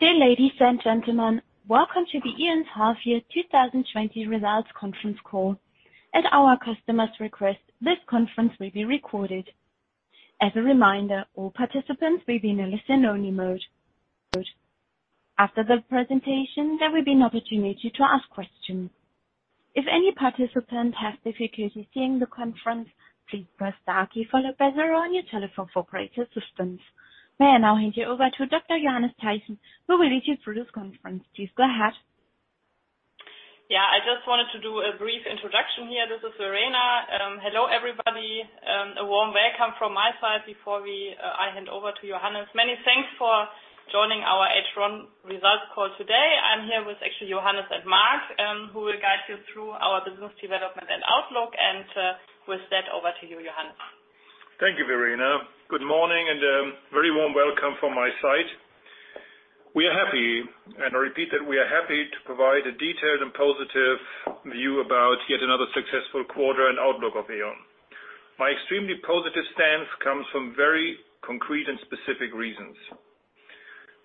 Dear ladies and gentlemen, welcome to the E.ON's half year 2020 results conference call. At our customer's request, this conference will be recorded. As a reminder, all participants will be in a listen-only mode. After the presentation, there will be an opportunity to ask questions. May I now hand you over to Dr. Johannes Teyssen, who will lead you through this conference. Please go ahead. Yeah, I just wanted to do a brief introduction here. This is Verena. Hello, everybody. A warm welcome from my side before I hand over to Johannes. Many thanks for joining our H1 results call today. I'm here with actually Johannes and Marc, who will guide you through our business development and outlook, and with that, over to you, Johannes. Thank you, Verena. Good morning, very warm welcome from my side. We are happy, and I repeat that we are happy to provide a detailed and positive view about yet another successful quarter and outlook of E.ON. My extremely positive stance comes from very concrete and specific reasons.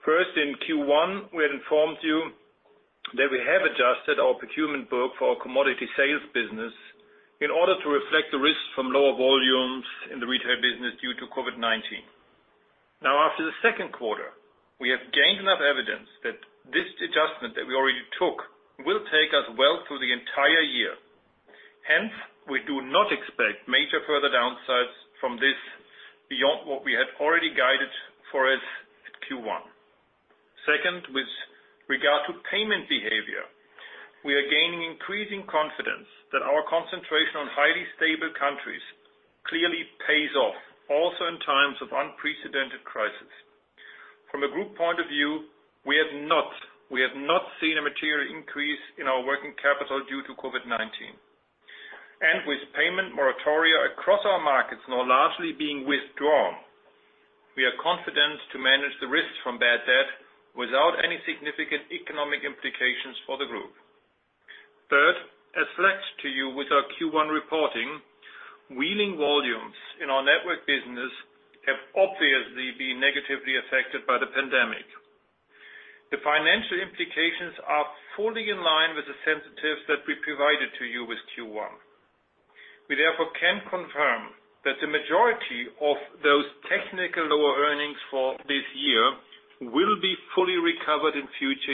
First, in Q1, we had informed you that we have adjusted our procurement book for our commodity sales business in order to reflect the risks from lower volumes in the retail business due to COVID-19. Now, after the second quarter, we have gained enough evidence that this adjustment that we already took will take us well through the entire year. Hence, we do not expect major further downsides from this beyond what we had already guided for as at Q1. Second, with regard to payment behavior, we are gaining increasing confidence that our concentration on highly stable countries clearly pays off, also in times of unprecedented crisis. From a group point of view, we have not seen a material increase in our working capital due to COVID-19. With payment moratoria across our markets now largely being withdrawn, we are confident to manage the risks from bad debt without any significant economic implications for the group. Third, as flagged to you with our Q1 reporting, wheeling volumes in our network business have obviously been negatively affected by the pandemic. The financial implications are fully in line with the sensitives that we provided to you with Q1. We therefore can confirm that the majority of those technical lower earnings for this year will be fully recovered in future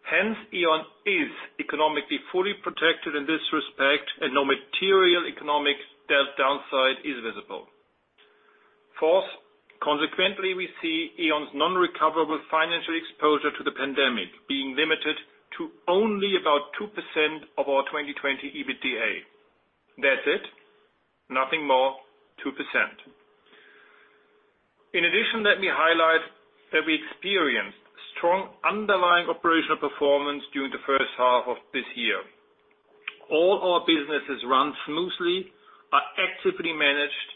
year. E.ON is economically fully protected in this respect, and no material economic downside is visible. Consequently, we see E.ON's non-recoverable financial exposure to the pandemic being limited to only about 2% of our 2020 EBITDA. That's it. Nothing more, 2%. Let me highlight that we experienced strong underlying operational performance during the first half of this year. All our businesses run smoothly, are actively managed,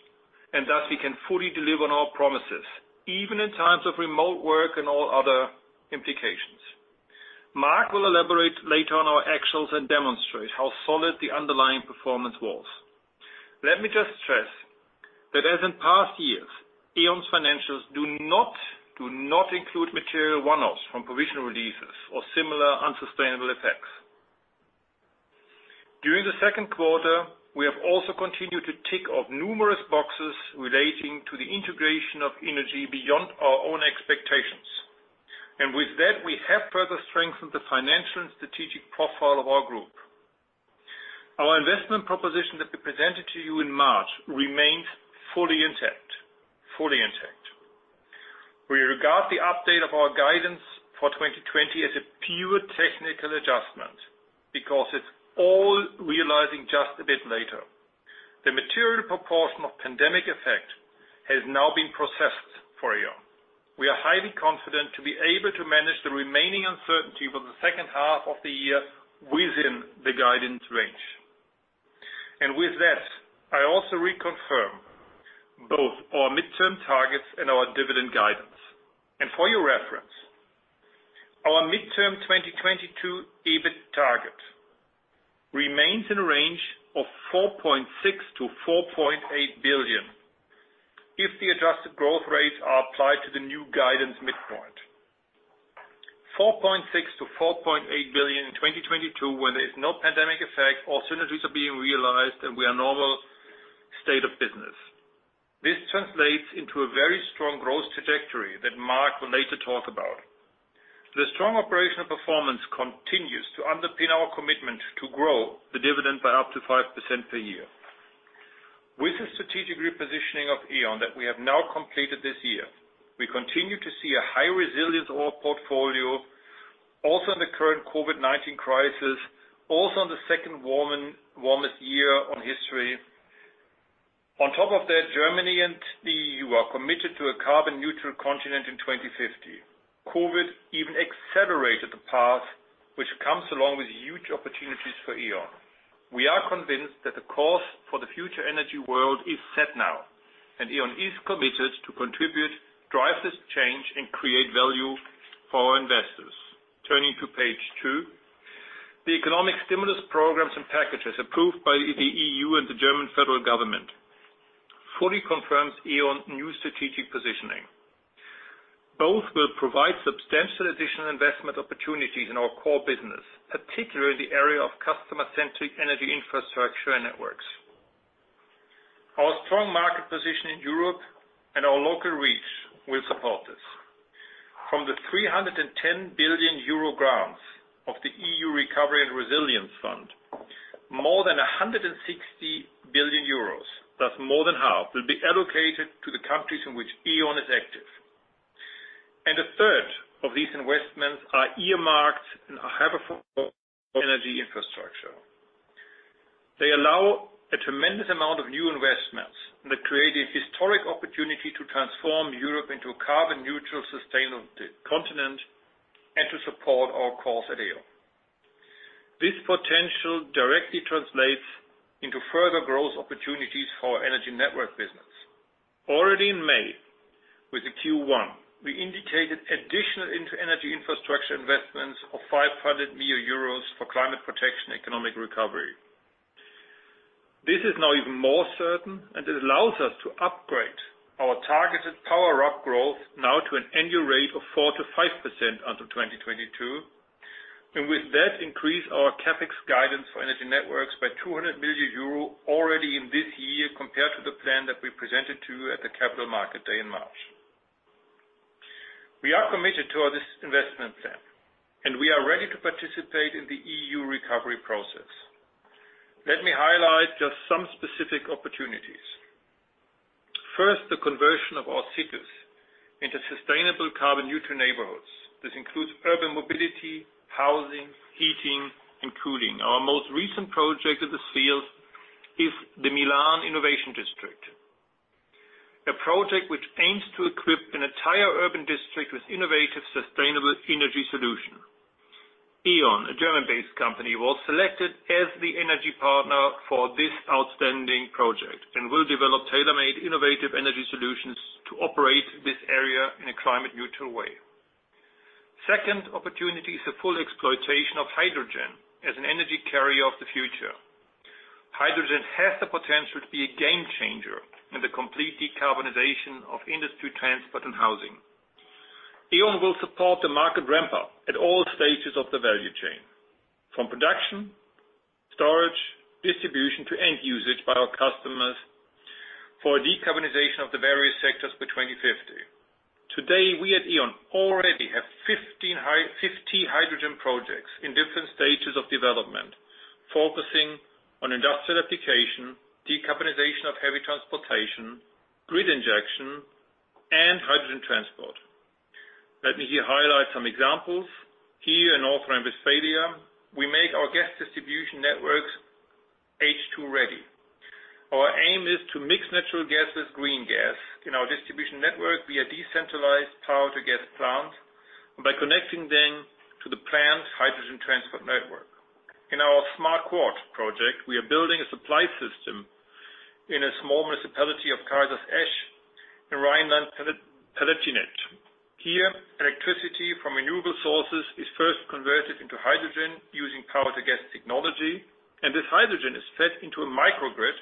thus we can fully deliver on our promises, even in times of remote work and all other implications. Marc will elaborate later on our actuals and demonstrate how solid the underlying performance was. Let me just stress that as in past years, E.ON's financials do not include material one-offs from provisional releases or similar unsustainable effects. During the second quarter, we have also continued to tick off numerous boxes relating to the integration of Innogy beyond our own expectations. With that, we have further strengthened the financial and strategic profile of our group. Our investment proposition that we presented to you in March remains fully intact. We regard the update of our guidance for 2020 as a pure technical adjustment, because it's all realizing just a bit later. The material proportion of pandemic effect has now been processed for E.ON. We are highly confident to be able to manage the remaining uncertainty for the second half of the year within the guidance range. With that, I also reconfirm both our midterm targets and our dividend guidance. For your reference, our midterm 2022 EBIT target remains in a range of 4.6 billion-4.8 billion, if the adjusted growth rates are applied to the new guidance midpoint. 4.6 billion-EUR 4.8 billion in 2022, where there is no pandemic effect, all synergies are being realized, and we are normal state of business. This translates into a very strong growth trajectory that Marc will later talk about. The strong operational performance continues to underpin our commitment to grow the dividend by up to 5% per year. With the strategic repositioning of E.ON that we have now completed this year, we continue to see a high resilience of our portfolio, also in the current COVID-19 crisis, also in the second warmest year on history. On top of that, Germany and the EU are committed to a carbon-neutral continent in 2050. COVID even accelerated the path, which comes along with huge opportunities for E.ON. We are convinced that the course for the future energy world is set now, E.ON is committed to contribute, drive this change, and create value for our investors. Turning to page two. The economic stimulus programs and packages approved by the EU and the German federal government fully confirms E.ON new strategic positioning. Both will provide substantial additional investment opportunities in our core business, particularly the area of customer-centric energy infrastructure and networks. Our strong market position in Europe and our local reach will support this. From the 310 billion euro grants of the EU Recovery and Resilience Facility, more than 160 billion euros, that's more than half, will be allocated to the countries in which E.ON is active. A third of these investments are earmarked in our energy infrastructure. They allow a tremendous amount of new investments that create a historic opportunity to transform Europe into a carbon neutral, sustainable continent and to support our cause at E.ON. This potential directly translates into further growth opportunities for our Energy Networks business. Already in May, with the Q1, we indicated additional into energy infrastructure investments of 500 million euros for climate protection economic recovery. This is now even more certain, and it allows us to upgrade our targeted power RAB growth now to an annual rate of 4%-5% until 2022, and with that increase our CapEx guidance for Energy Networks by 200 million euro already in this year compared to the plan that we presented to you at the Capital Market Day in March. We are committed to this investment plan, and we are ready to participate in the EU recovery process. Let me highlight just some specific opportunities. First, the conversion of our cities into sustainable carbon-neutral neighborhoods. This includes urban mobility, housing, heating, and cooling. Our most recent project in this field is the Milan Innovation District, a project which aims to equip an entire urban district with innovative, sustainable energy solution. E.ON, a German-based company, was selected as the energy partner for this outstanding project and will develop tailor-made innovative energy solutions to operate this area in a climate-neutral way. Second opportunity is the full exploitation of hydrogen as an energy carrier of the future. Hydrogen has the potential to be a game changer in the complete decarbonization of industry, transport, and housing. E.ON will support the market ramp-up at all stages of the value chain, from production, storage, distribution, to end usage by our customers for decarbonization of the various sectors by 2050. Today, we at E.ON already have 50 hydrogen projects in different stages of development, focusing on industrial application, decarbonization of heavy transportation, grid injection, and hydrogen transport. Let me here highlight some examples. Here in North Rhine-Westphalia, we make our gas distribution networks H2 ready. Our aim is to mix natural gas with green gas in our distribution network via decentralized power to gas plants by connecting them to the plant's hydrogen transport network. In our SmartQuart project, we are building a supply system in a small municipality of Kaisersesch in Rhineland-Palatinate. Here, electricity from renewable sources is first converted into hydrogen using power to gas technology, and this hydrogen is fed into a microgrid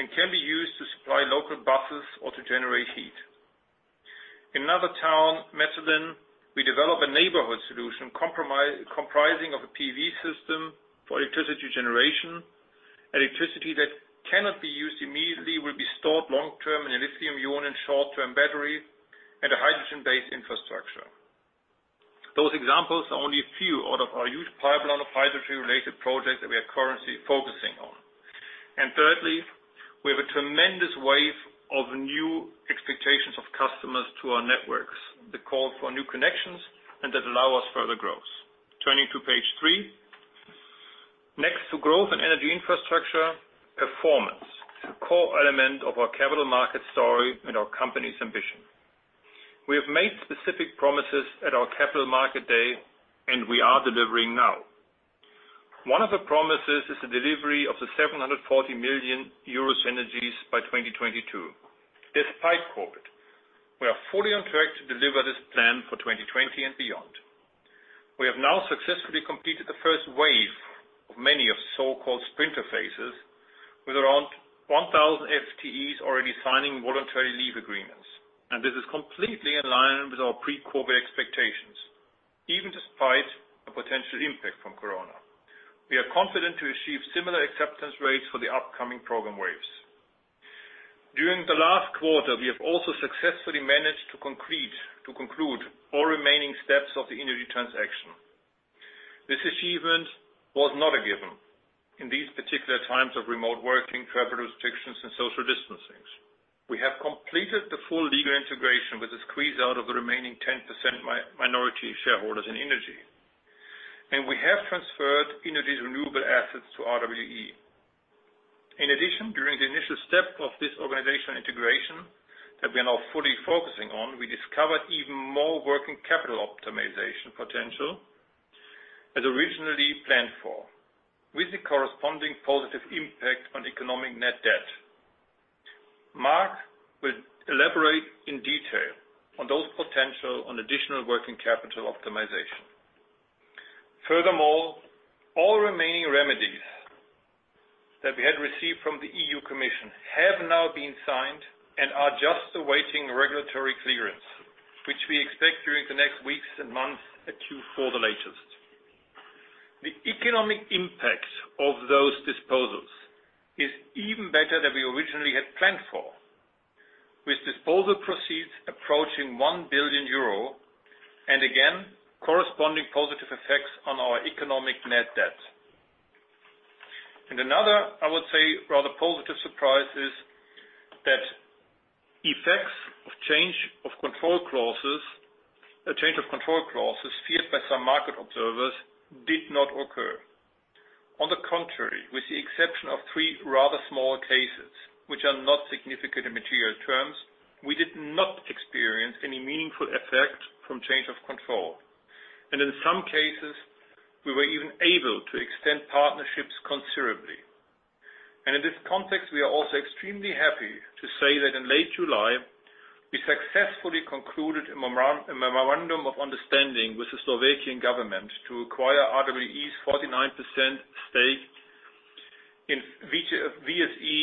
and can be used to supply local buses or to generate heat. In another town, Meschede, we develop a neighborhood solution comprising of a PV system for electricity generation. Electricity that cannot be used immediately will be stored long-term in a lithium ion and short-term battery at a hydrogen-based infrastructure. Those examples are only a few out of our huge pipeline of hydrogen-related projects that we are currently focusing on. Thirdly, we have a tremendous wave of new expectations of customers to our networks, the call for new connections, and that allow us further growth. Turning to page three. Next to growth and energy infrastructure, performance. It's a core element of our capital market story and our company's ambition. We have made specific promises at our capital market day, we are delivering now. One of the promises is the delivery of the 740 million euros synergies by 2022. Despite COVID-19, we are fully on track to deliver this plan for 2020 and beyond. We have now successfully completed the first wave of many of so-called sprinter phases with around 1,000 FTEs already signing voluntary leave agreements. This is completely in line with our pre-COVID-19 expectations, even despite the potential impact from corona. We are confident to achieve similar acceptance rates for the upcoming program waves. During the last quarter, we have also successfully managed to conclude all remaining steps of the Innogy transaction. This achievement was not a given in these particular times of remote working, travel restrictions, and social distancing. We have completed the full legal integration with the squeeze out of the remaining 10% minority shareholders in Innogy. We have transferred Innogy's renewable assets to RWE. In addition, during the initial step of this organizational integration that we are now fully focusing on, we discovered even more working capital optimization potential as originally planned for with the corresponding positive impact on economic net debt. Marc will elaborate in detail on those potential on additional working capital optimization. All remaining remedies that we had received from the European Commission have now been signed and are just awaiting regulatory clearance, which we expect during the next weeks and months at Q4 the latest. The economic impact of those disposals is even better than we originally had planned for, with disposal proceeds approaching 1 billion euro, and again, corresponding positive effects on our economic net debt. Another, I would say, rather positive surprise is that effects of change of control clauses feared by some market observers did not occur. On the contrary, with the exception of three rather small cases, which are not significant in material terms, we did not experience any meaningful effect from change of control. In some cases, we were even able to extend partnerships considerably. In this context, we are also extremely happy to say that in late July, we successfully concluded a memorandum of understanding with the Slovakian government to acquire RWE's 49% stake in VSE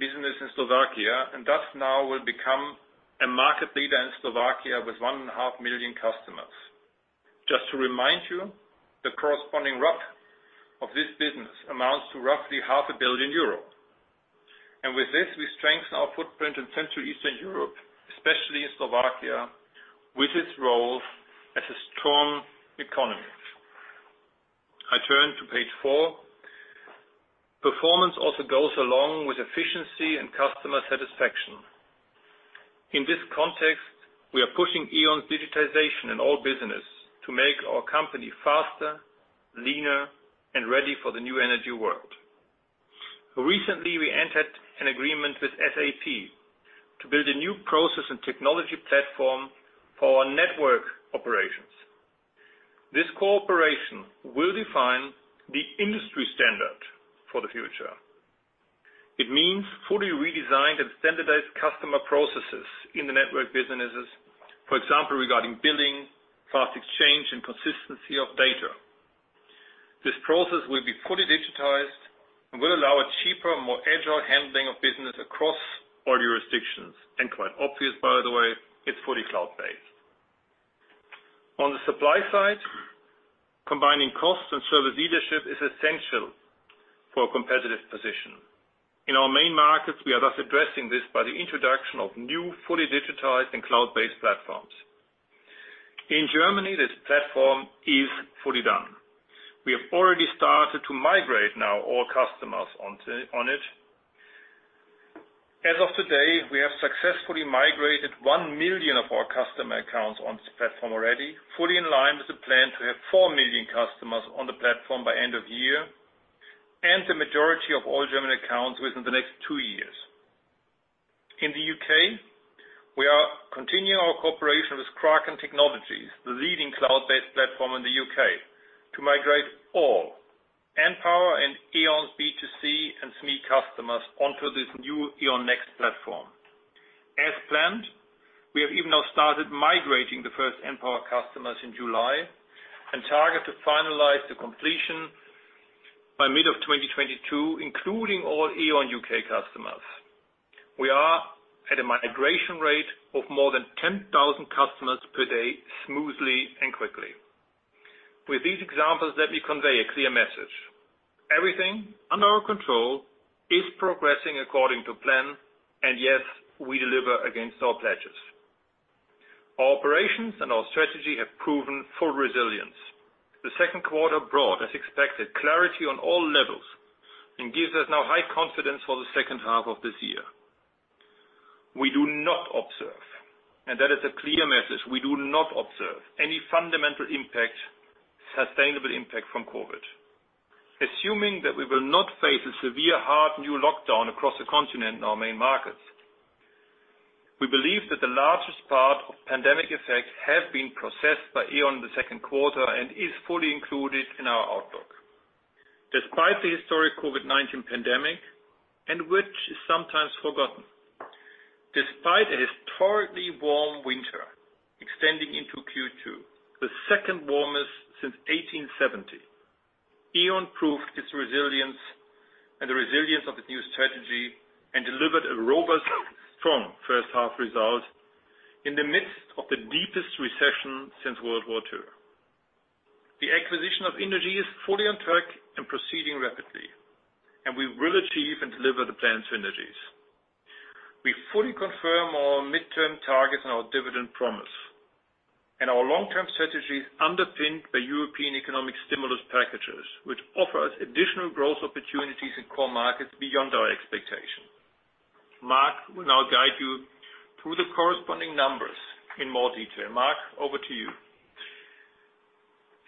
in Slovakia, and thus now will become a market leader in Slovakia with 1.5 million customers. Just to remind you, the corresponding RAB of this business amounts to roughly 0.5 billion euro. With this, we strengthen our footprint in Central Eastern Europe, especially in Slovakia, with its role as a strong economy. I turn to page four. Performance also goes along with efficiency and customer satisfaction. In this context, we are pushing E.ON's digitization in all business to make our company faster, leaner, and ready for the new energy world. Recently, we entered an agreement with SAP to build a new process and technology platform for our network operations. This cooperation will define the industry standard for the future. It means fully redesigned and standardized customer processes in the network businesses, for example, regarding billing, fast exchange, and consistency of data. This process will be fully digitized and will allow a cheaper, more agile handling of business across all jurisdictions. Quite obvious, by the way, it's fully cloud-based. On the supply side, combining cost and service leadership is essential for a competitive position. In our main markets, we are thus addressing this by the introduction of new fully digitized and cloud-based platforms. In Germany, this platform is fully done. We have already started to migrate now all customers on it. As of today, we have successfully migrated 1 million of our customer accounts on this platform already, fully in line with the plan to have 4 million customers on the platform by end of year, and the majority of all German accounts within the next two years. In the U.K., we are continuing our cooperation with Kraken Technologies, the leading cloud-based platform in the U.K., to migrate all npower and E.ON's B2C and SME customers onto this new E.ON Next platform. As planned, we have even now started migrating the first npower customers in July and target to finalize the completion by mid of 2022, including all E.ON U.K. customers. We are at a migration rate of more than 10,000 customers per day, smoothly and quickly. With these examples, let me convey a clear message. Everything under our control is progressing according to plan, and yes, we deliver against our pledges. Our operations and our strategy have proven full resilience. The second quarter brought, as expected, clarity on all levels and gives us now high confidence for the second half of this year. We do not observe, and that is a clear message, we do not observe any fundamental impact, sustainable impact from COVID-19. Assuming that we will not face a severe, hard, new lockdown across the continent in our main markets, we believe that the largest part of pandemic effects have been processed by E.ON in the second quarter and is fully included in our outlook. Despite the historic COVID-19 pandemic, and which is sometimes forgotten, despite a historically warm winter extending into Q2, the second warmest since 1870, E.ON proved its resilience and the resilience of its new strategy and delivered a robust, strong first-half result in the midst of the deepest recession since World War II. The acquisition of Innogy is fully on track and proceeding rapidly, and we will achieve and deliver the planned synergies. We fully confirm our midterm targets and our dividend promise, and our long-term strategy is underpinned by European economic stimulus packages, which offer us additional growth opportunities in core markets beyond our expectation. Marc will now guide you through the corresponding numbers in more detail. Marc, over to you.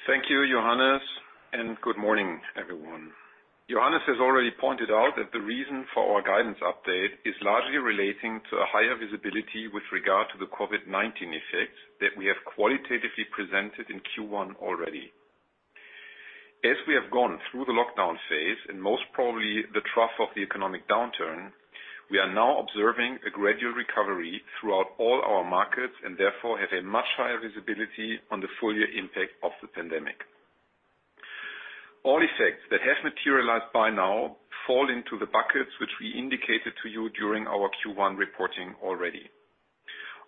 Thank you, Johannes, and good morning, everyone. Johannes has already pointed out that the reason for our guidance update is largely relating to a higher visibility with regard to the COVID-19 effects that we have qualitatively presented in Q1 already. As we have gone through the lockdown phase, and most probably the trough of the economic downturn, we are now observing a gradual recovery throughout all our markets and therefore have a much higher visibility on the full year impact of the pandemic. All effects that have materialized by now fall into the buckets which we indicated to you during our Q1 reporting already.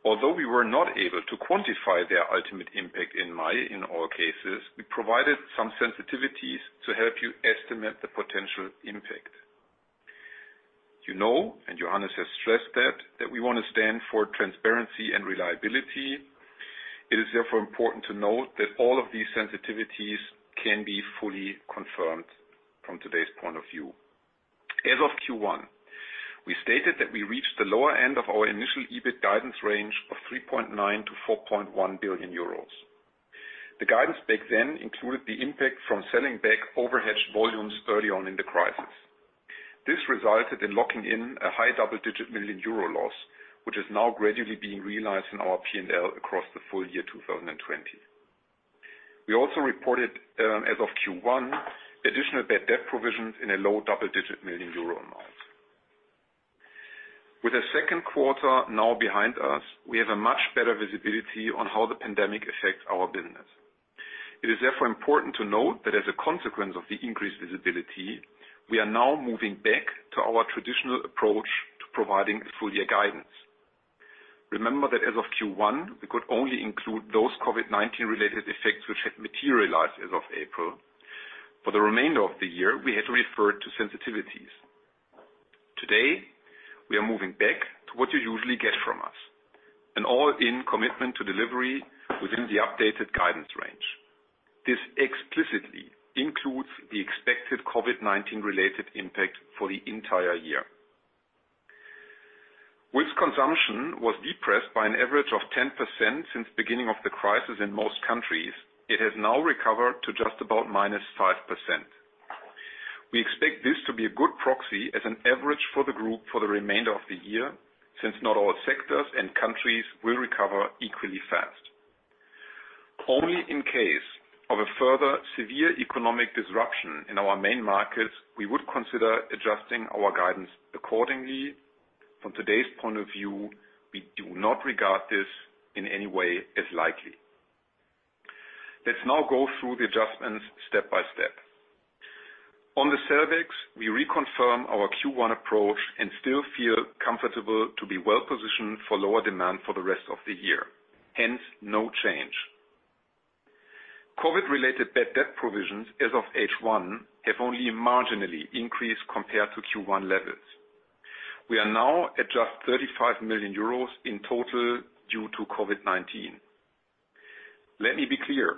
Although we were not able to quantify their ultimate impact in all cases, we provided some sensitivities to help you estimate the potential impact. You know, and Johannes has stressed that we want to stand for transparency and reliability. It is therefore important to note that all of these sensitivities can be fully confirmed from today's point of view. As of Q1, we stated that we reached the lower end of our initial EBIT guidance range of 3.9 billion-4.1 billion euros. The guidance back then included the impact from selling back overhedged volumes early on in the crisis. This resulted in locking in a high double-digit million EUR loss, which is now gradually being realized in our P&L across the full year 2020. We also reported as of Q1, additional bad debt provisions in a low double-digit million EUR amount. With the second quarter now behind us, we have a much better visibility on how the pandemic affects our business. It is therefore important to note that as a consequence of the increased visibility, we are now moving back to our traditional approach to providing a full year guidance. Remember that as of Q1, we could only include those COVID-19 related effects which had materialized as of April. For the remainder of the year, we had to refer to sensitivities. Today, we are moving back to what you usually get from us, an all-in commitment to delivery within the updated guidance range. This explicitly includes the expected COVID-19 related impact for the entire year. Whilst consumption was depressed by an average of 10% since beginning of the crisis in most countries, it has now recovered to just about -5%. We expect this to be a good proxy as an average for the group for the remainder of the year, since not all sectors and countries will recover equally fast. Only in case of a further severe economic disruption in our main markets, we would consider adjusting our guidance accordingly. From today's point of view, we do not regard this in any way as likely. Let's now go through the adjustments step by step. On the Services, we reconfirm our Q1 approach and still feel comfortable to be well-positioned for lower demand for the rest of the year. Hence, no change. COVID-19 related bad debt provisions as of H1, have only marginally increased compared to Q1 levels. We are now at just 35 million euros in total due to COVID-19. Let me be clear.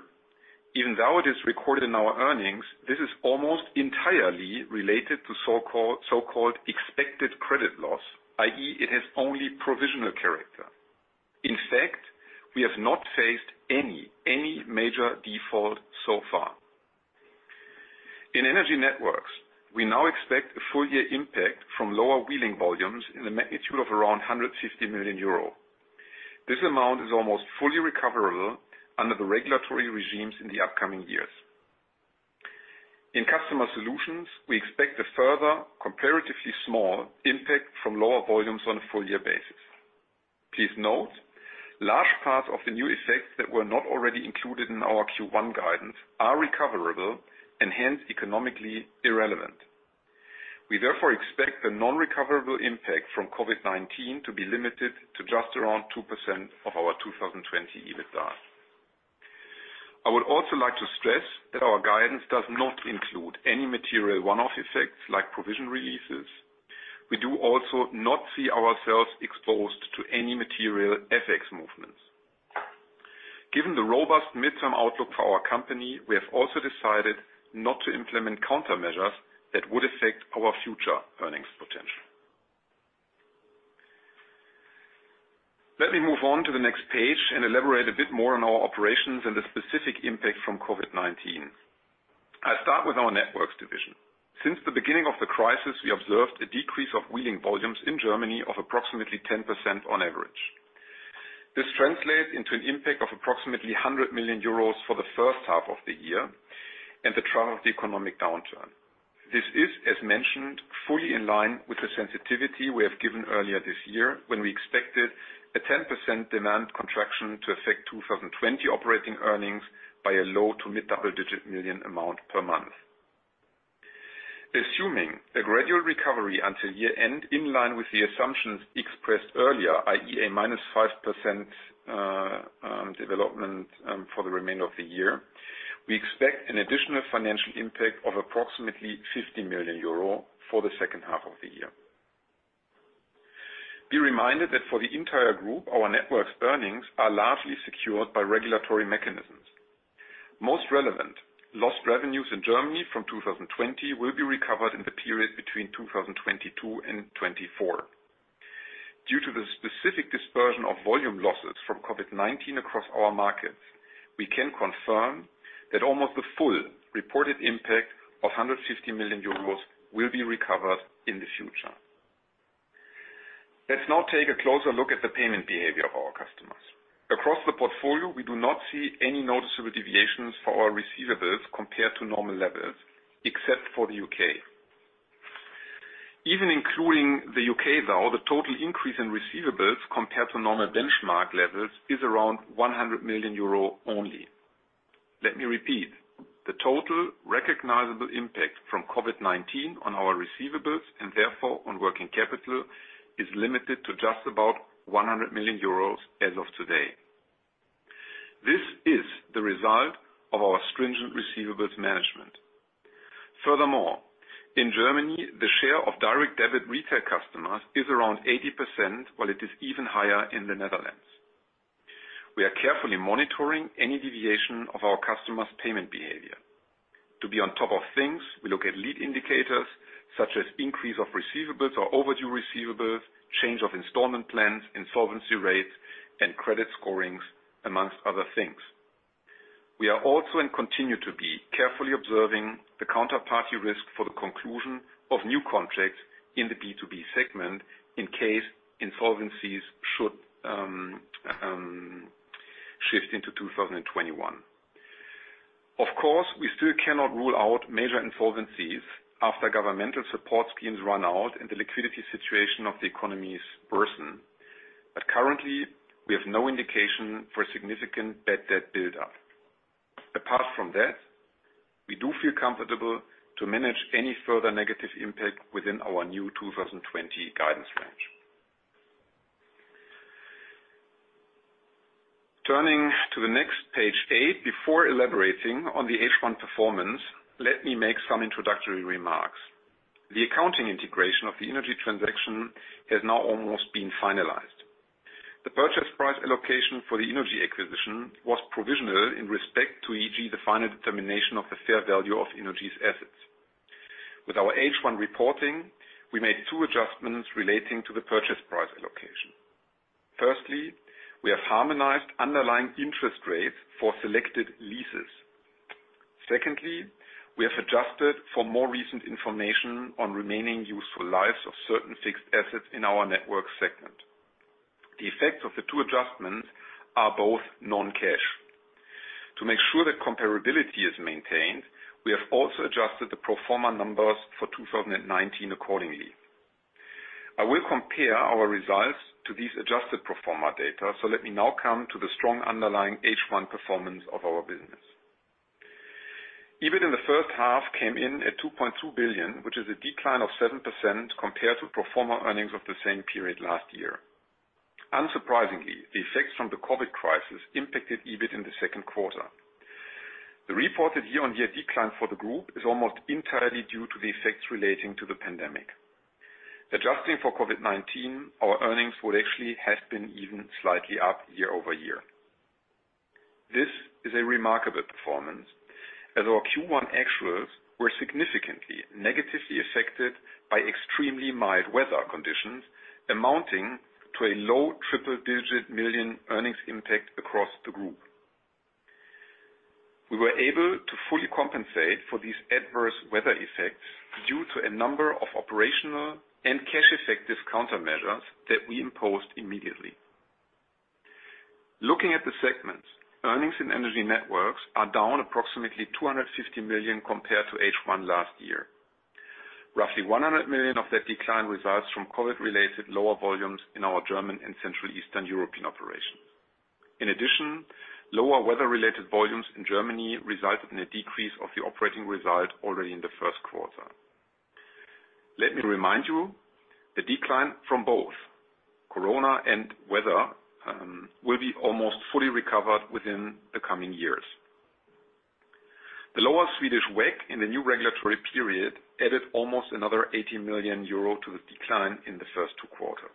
Even though it is recorded in our earnings, this is almost entirely related to so-called expected credit loss, i.e., it has only provisional character. In fact, we have not faced any major default so far. In Energy Networks, we now expect a full year impact from lower wheeling volumes in the magnitude of around 150 million euro. This amount is almost fully recoverable under the regulatory regimes in the upcoming years. In Customer Solutions, we expect a further comparatively small impact from lower volumes on a full year basis. Please note, large parts of the new effects that were not already included in our Q1 guidance are recoverable and hence economically irrelevant. We therefore expect the non-recoverable impact from COVID-19 to be limited to just around 2% of our 2020 EBITDA. I would also like to stress that our guidance does not include any material one-off effects like provision releases. We do also not see ourselves exposed to any material FX movements. Given the robust midterm outlook for our company, we have also decided not to implement countermeasures that would affect our future earnings potential. Let me move on to the next page and elaborate a bit more on our operations and the specific impact from COVID-19. I'll start with our Networks division. Since the beginning of the crisis, we observed a decrease of wheeling volumes in Germany of approximately 10% on average. This translates into an impact of approximately 100 million euros for the first half of the year and the trough of the economic downturn. This is, as mentioned, fully in line with the sensitivity we have given earlier this year when we expected a 10% demand contraction to affect 2020 operating earnings by a low to mid double-digit million amount per month. Assuming a gradual recovery until year end, in line with the assumptions expressed earlier, i.e., a -5% development for the remainder of the year, we expect an additional financial impact of approximately 50 million euro for the second half of the year. Be reminded that for the entire group, our Networks earnings are largely secured by regulatory mechanisms. Most relevant, lost revenues in Germany from 2020 will be recovered in the period between 2022 and 2024. Due to the specific dispersion of volume losses from COVID-19 across our markets, we can confirm that almost the full reported impact of 150 million euros will be recovered in the future. Now take a closer look at the payment behavior of our customers. Across the portfolio, we do not see any noticeable deviations for our receivables compared to normal levels, except for the U.K. Even including the U.K. though, the total increase in receivables compared to normal benchmark levels is around 100 million euro only. Let me repeat. The total recognizable impact from COVID-19 on our receivables, and therefore on working capital, is limited to just about 100 million euros as of today. This is the result of our stringent receivables management. Furthermore, in Germany, the share of direct debit retail customers is around 80%, while it is even higher in the Netherlands. We are carefully monitoring any deviation of our customers' payment behavior. To be on top of things, we look at lead indicators such as increase of receivables or overdue receivables, change of installment plans, insolvency rates, and credit scorings, amongst other things. We are also, and continue to be, carefully observing the counterparty risk for the conclusion of new contracts in the B2B segment in case insolvencies should shift into 2021. Of course, we still cannot rule out major insolvencies after governmental support schemes run out and the liquidity situation of the economies worsen. Currently, we have no indication for significant bad debt buildup. Apart from that, we do feel comfortable to manage any further negative impact within our new 2020 guidance range. Turning to the next page, eight. Before elaborating on the H1 performance, let me make some introductory remarks. The accounting integration of the Innogy transaction has now almost been finalized. The purchase price allocation for the Innogy acquisition was provisional in respect to, e.g., the final determination of the fair value of Innogy's assets. With our H1 reporting, we made two adjustments relating to the purchase price allocation. Firstly, we have harmonized underlying interest rates for selected leases. Secondly, we have adjusted for more recent information on remaining useful lives of certain fixed assets in our Energy Networks segment. The effects of the two adjustments are both non-cash. To make sure that comparability is maintained, we have also adjusted the pro forma numbers for 2019 accordingly. I will compare our results to these adjusted pro forma data. Let me now come to the strong underlying H1 performance of our business. EBIT in the first half came in at 2.2 billion, which is a decline of 7% compared to pro forma earnings of the same period last year. Unsurprisingly, the effects from the COVID-19 crisis impacted EBIT in the second quarter. The reported year-over-year decline for the group is almost entirely due to the effects relating to the pandemic. Adjusting for COVID-19, our earnings would actually have been even slightly up year-over-year. This is a remarkable performance, as our Q1 actuals were significantly negatively affected by extremely mild weather conditions, amounting to a low triple-digit million earnings impact across the group. We were able to fully compensate for these adverse weather effects due to a number of operational and cash-effective countermeasures that we imposed immediately. Looking at the segments, earnings in Energy Networks are down approximately 250 million compared to H1 last year. Roughly 100 million of that decline results from COVID-related lower volumes in our German and Central Eastern European operations. In addition, lower weather-related volumes in Germany resulted in a decrease of the operating result already in the first quarter. Let me remind you, the decline from both corona and weather will be almost fully recovered within the coming years. The lower Swedish WACC in the new regulatory period added almost another 80 million euro to the decline in the first two quarters.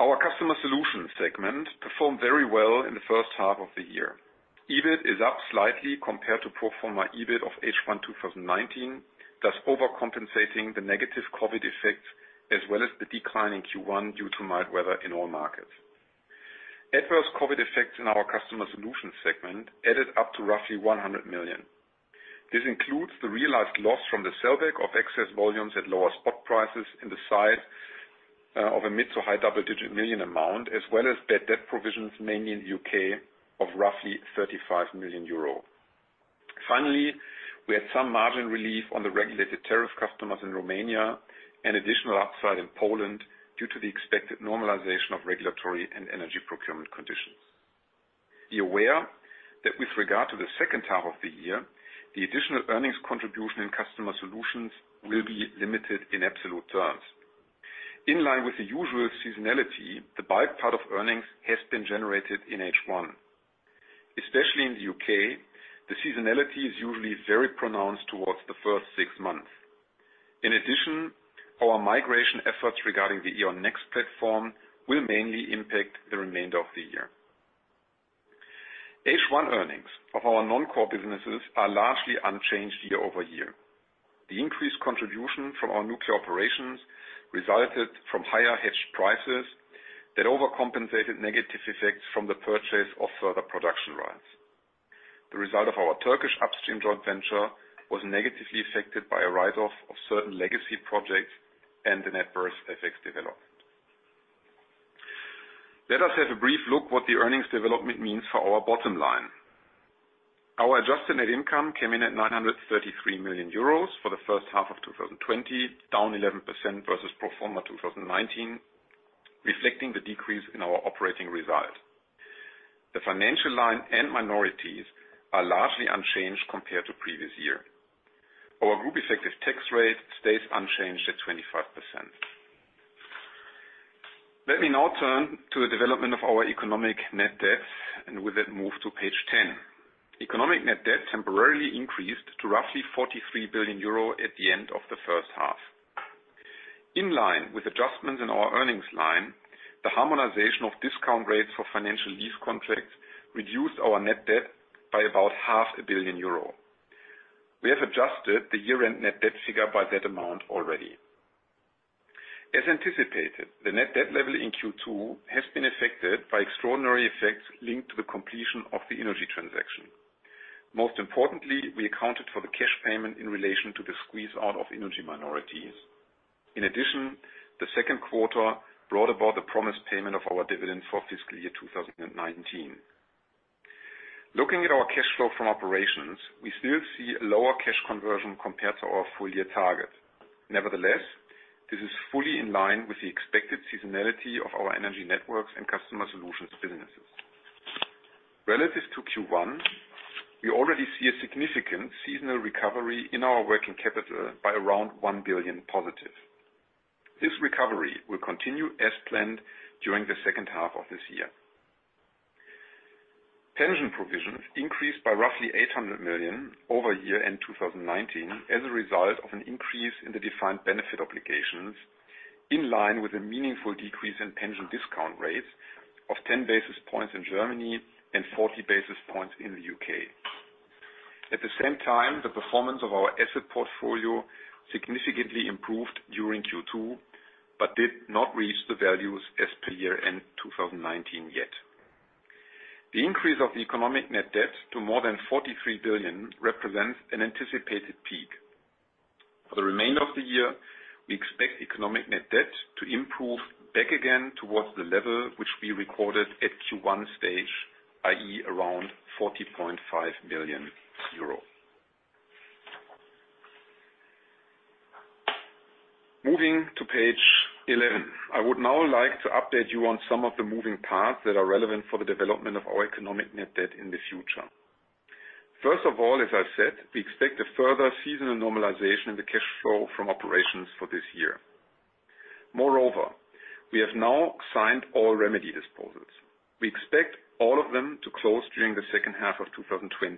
Our Customer Solutions segment performed very well in the first half of the year. EBIT is up slightly compared to pro forma EBIT of H1 2019, thus overcompensating the negative COVID effects as well as the decline in Q1 due to mild weather in all markets. Adverse COVID effects in our Customer Solutions segment added up to roughly 100 million. This includes the realized loss from the sellback of excess volumes at lower spot prices in the side of a mid to high double-digit million amount, as well as bad debt provisions mainly in the U.K. of roughly 35 million euro. We had some margin relief on the regulated tariff customers in Romania and additional upside in Poland due to the expected normalization of regulatory and energy procurement conditions. Be aware that with regard to the second half of the year, the additional earnings contribution in Customer Solutions will be limited in absolute terms. In line with the usual seasonality, the bulk part of earnings has been generated in H1. Especially in the U.K., the seasonality is usually very pronounced towards the first six months. In addition, our migration efforts regarding the E.ON Next platform will mainly impact the remainder of the year. H1 earnings of our non-core businesses are largely unchanged year-over-year. The increased contribution from our nuclear operations resulted from higher hedged prices that overcompensated negative effects from the purchase of further production rights. The result of our Turkish upstream joint venture was negatively affected by a write-off of certain legacy projects and a adverse FX development. Let us have a brief look what the earnings development means for our bottom line. Our adjusted net income came in at 933 million euros for the first half of 2020, down 11% versus pro forma 2019, reflecting the decrease in our operating results. The financial line and minorities are largely unchanged compared to previous year. Our group effective tax rate stays unchanged at 25%. Let me now turn to the development of our economic net debt, and with that, move to page 10. Economic net debt temporarily increased to roughly 43 billion euro at the end of the first half. In line with adjustments in our earnings line, the harmonization of discount rates for financial lease contracts reduced our net debt by about 0.5 billion euro. We have adjusted the year-end net debt figure by that amount already. As anticipated, the net debt level in Q2 has been affected by extraordinary effects linked to the completion of the Innogy transaction. Most importantly, we accounted for the cash payment in relation to the squeeze-out of Innogy minorities. In addition, the second quarter brought about the promised payment of our dividends for fiscal year 2019. Looking at our cash flow from operations, we still see a lower cash conversion compared to our full year target. Nevertheless, this is fully in line with the expected seasonality of our Energy Networks and Customer Solutions businesses. Relative to Q1, we already see a significant seasonal recovery in our working capital by around 1 billion positive. This recovery will continue as planned during the second half of this year. Pension provisions increased by roughly 800 million over year-end 2019, as a result of an increase in the defined benefit obligations, in line with a meaningful decrease in pension discount rates of 10 basis points in Germany and 40 basis points in the U.K. At the same time, the performance of our asset portfolio significantly improved during Q2, but did not reach the values as per year-end 2019 yet. The increase of economic net debt to more than 43 billion represents an anticipated peak. For the remainder of the year, we expect economic net debt to improve back again towards the level which we recorded at Q1 stage, i.e., around 40.5 billion euro. Moving to page 11. I would now like to update you on some of the moving parts that are relevant for the development of our economic net debt in the future. First of all, as I said, we expect a further seasonal normalization in the cash flow from operations for this year. Moreover, we have now signed all remedy disposals. We expect all of them to close during the second half of 2020.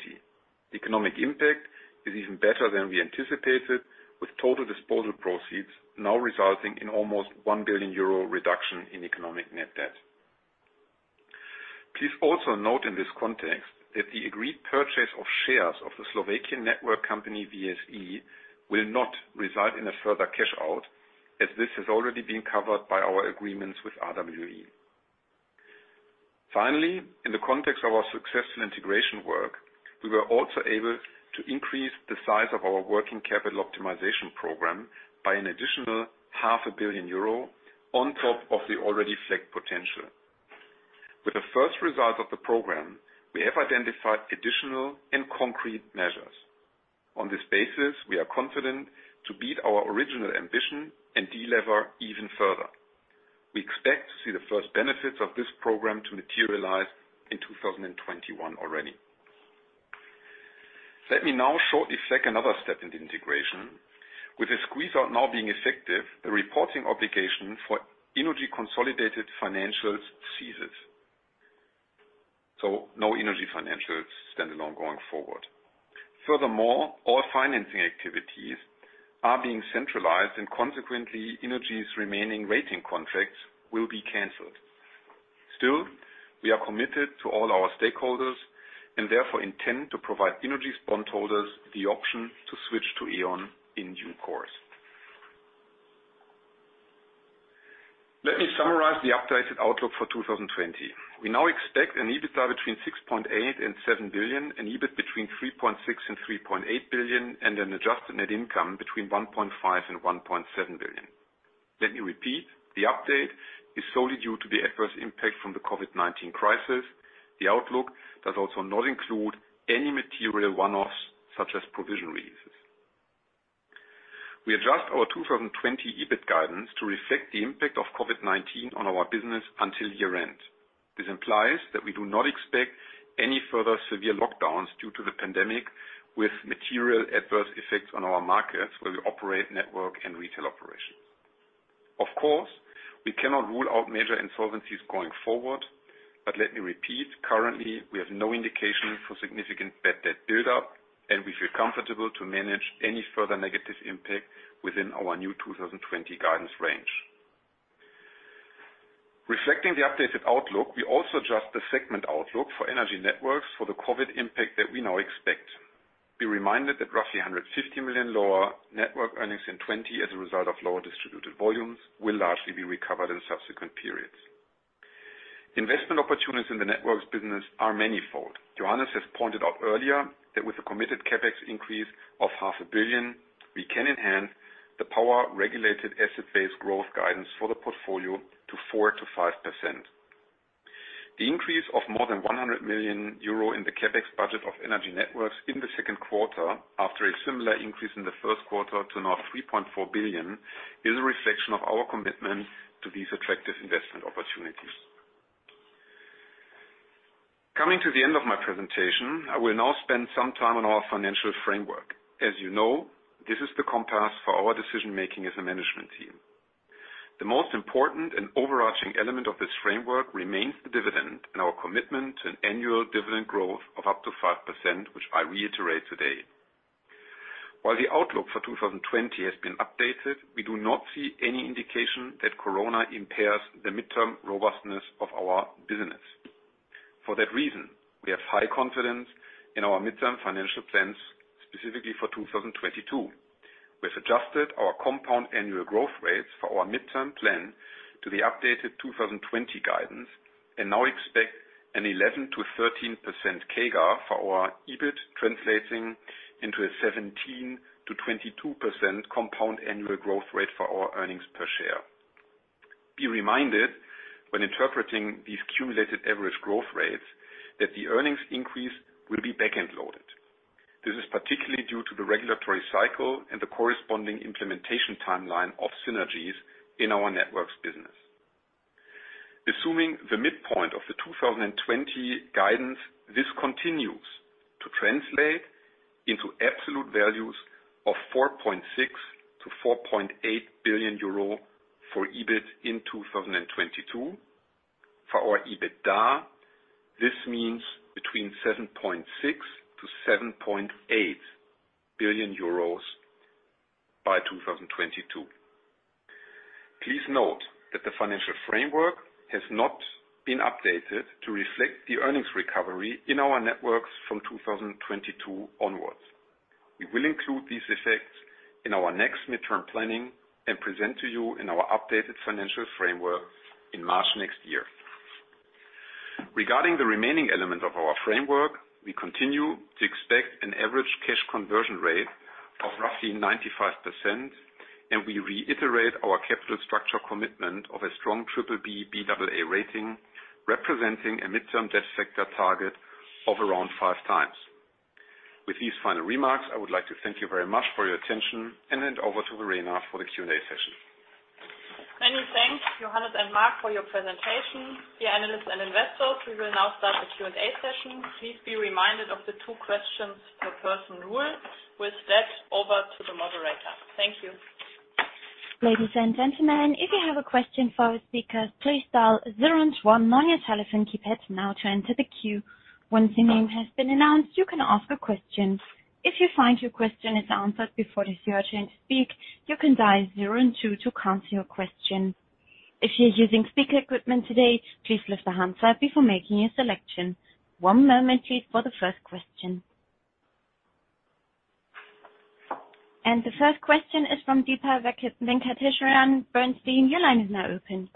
Economic impact is even better than we anticipated, with total disposal proceeds now resulting in almost 1 billion euro reduction in economic net debt. Please also note in this context that the agreed purchase of shares of the Slovakian network company VSE will not result in a further cash out, as this has already been covered by our agreements with RWE. Finally, in the context of our successful integration work, we were also able to increase the size of our working capital optimization program by an additional 0.5 billion euro, on top of the already flagged potential. With the first result of the program, we have identified additional and concrete measures. On this basis, we are confident to beat our original ambition and delever even further. We expect to see the first benefits of this program to materialize in 2021 already. Let me now shortly flag another step in the integration. With the squeeze-out now being effective, the reporting obligation for Innogy consolidated financials ceases. No Innogy financials standalone going forward. All financing activities are being centralized and consequently, Innogy's remaining rating contracts will be canceled. Still, we are committed to all our stakeholders and therefore intend to provide Innogy's bondholders the option to switch to E.ON in due course. Let me summarize the updated outlook for 2020. We now expect an EBITDA between 6.8 billion-7 billion, an EBIT between 3.6 billion-3.8 billion, and an adjusted net income between 1.5 billion-1.7 billion. Let me repeat. The update is solely due to the adverse impact from the COVID-19 crisis. The outlook does also not include any material one-offs such as provision releases. We adjust our 2020 EBIT guidance to reflect the impact of COVID-19 on our business until year-end. This implies that we do not expect any further severe lockdowns due to the pandemic with material adverse effects on our markets where we operate network and retail operations. Of course, we cannot rule out major insolvencies going forward, but let me repeat, currently, we have no indication for significant bad debt buildup, and we feel comfortable to manage any further negative impact within our new 2020 guidance range. Reflecting the updated outlook, we also adjust the segment outlook for Energy Networks for the COVID impact that we now expect. Be reminded that roughly 150 million lower network earnings in 2020 as a result of lower distributed volumes will largely be recovered in subsequent periods. Investment opportunities in the networks business are manifold. Johannes has pointed out earlier that with a committed CapEx increase of 0.5 billion, we can enhance the power regulated asset base growth guidance for the portfolio to 4%-5%. The increase of more than 100 million euro in the CapEx budget of Energy Networks in the second quarter after a similar increase in the first quarter to now 3.4 billion is a reflection of our commitment to these attractive investment opportunities. Coming to the end of my presentation, I will now spend some time on our financial framework. As you know, this is the compass for our decision-making as a management team. The most important and overarching element of this framework remains the dividend and our commitment to an annual dividend growth of up to 5%, which I reiterate today. While the outlook for 2020 has been updated, we do not see any indication that corona impairs the midterm robustness of our business. For that reason, we have high confidence in our midterm financial plans, specifically for 2022. We've adjusted our compound annual growth rates for our midterm plan to the updated 2020 guidance and now expect an 11%-13% CAGR for our EBIT translating into a 17%-22% compound annual growth rate for our earnings per share. Be reminded, when interpreting these cumulative average growth rates, that the earnings increase will be back-end loaded. This is particularly due to the regulatory cycle and the corresponding implementation timeline of synergies in our networks business. Assuming the midpoint of the 2020 guidance, this continues to translate into absolute values of 4.6 billion-4.8 billion euro for EBIT in 2022. For our EBITDA, this means between 7.6 billion-7.8 billion euros by 2022. Please note that the financial framework has not been updated to reflect the earnings recovery in our networks from 2022 onwards. We will include these effects in our next midterm planning and present to you in our updated financial framework in March next year. Regarding the remaining element of our framework, we continue to expect an average cash conversion rate of roughly 95%, and we reiterate our capital structure commitment of a strong BBB/Baa rating, representing a midterm debt sector target of around five times. With these final remarks, I would like to thank you very much for your attention and hand over to Verena for the Q&A session. Many thanks, Johannes and Marc, for your presentation. Dear analysts and investors, we will now start the Q&A session. Please be reminded of the two questions per person rule. With that, over to the moderator. Thank you. The first question is from Deepa Venkateswaran, Bernstein. Your line is now open.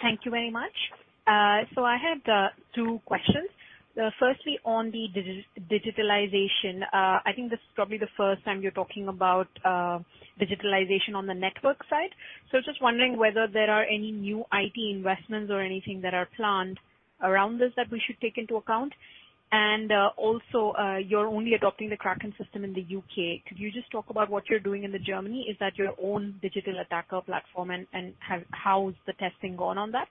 Thank you very much. I had two questions. Firstly, on the digitalization. I think this is probably the first time you're talking about digitalization on the network side. Just wondering whether there are any new IT investments or anything that are planned around this that we should take into account. You're only adopting the Kraken system in the U.K. Could you just talk about what you're doing in Germany? Is that your own digital attacker platform, and how is the testing going on that?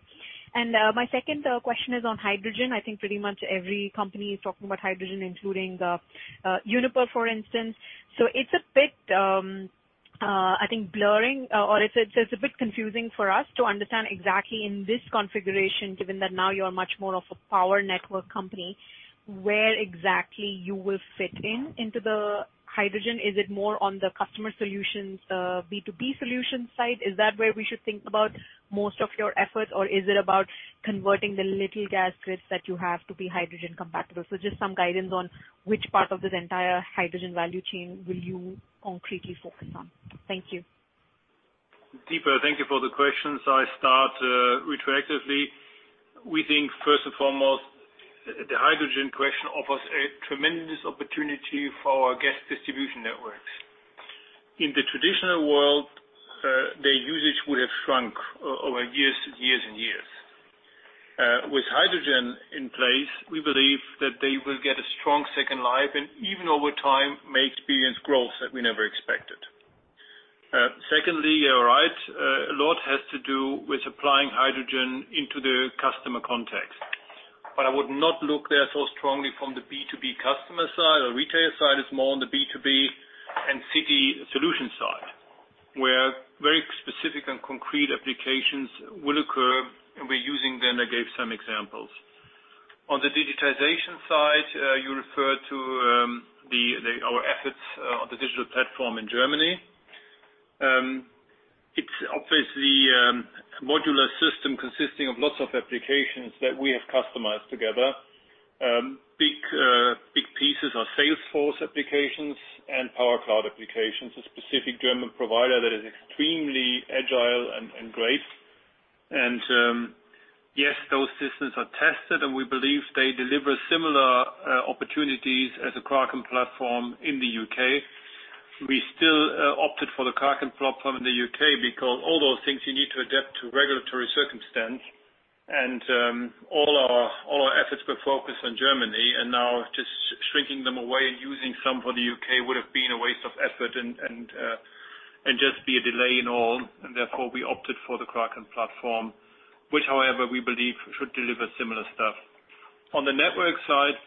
My second question is on hydrogen. I think pretty much every company is talking about hydrogen, including Uniper, for instance. It's a bit confusing for us to understand exactly in this configuration, given that now you are much more of a power network company, where exactly you will fit in into the hydrogen. Is it more on the Customer Solutions, B2B solution side? Is that where we should think about most of your efforts, or is it about converting the little gas grids that you have to be hydrogen compatible? Just some guidance on which part of this entire hydrogen value chain will you concretely focus on. Thank you. Deepa, thank you for the questions. I start retroactively. We think first and foremost, the hydrogen question offers a tremendous opportunity for our gas distribution networks. In the traditional world, their usage would have shrunk over years and years. With hydrogen in place, we believe that they will get a strong second life and even over time may experience growth that we never expected. Secondly, you are right. A lot has to do with applying hydrogen into the customer context. I would not look there so strongly from the B2B customer side. The retailer side is more on the B2B and city solution side, where very specific and concrete applications will occur, and we're using them. I gave some examples. On the digitization side, you referred to our efforts on the digital platform in Germany. Modular system consisting of lots of applications that we have customized together. Big pieces are Salesforce applications and powercloud applications, a specific German provider that is extremely agile and great. Yes, those systems are tested, and we believe they deliver similar opportunities as a Kraken platform in the U.K. We still opted for the Kraken platform in the U.K. because all those things you need to adapt to regulatory circumstance and all our efforts were focused on Germany, and now just shrinking them away and using some for the U.K. would have been a waste of effort and just be a delay in all, and therefore, we opted for the Kraken platform. Which, however, we believe should deliver similar stuff. On the network side,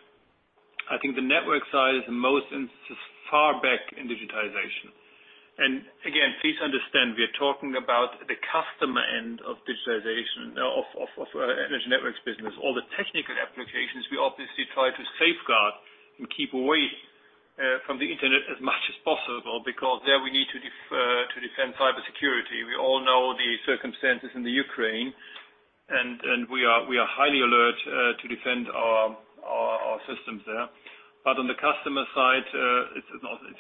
I think the network side is the most far back in digitization. Again, please understand, we are talking about the customer end of digitization of Energy Networks business. All the technical applications we obviously try to safeguard and keep away from the Internet as much as possible, because there we need to defend cybersecurity. We all know the circumstances in the Ukraine, we are highly alert to defend our systems there. On the customer side, it's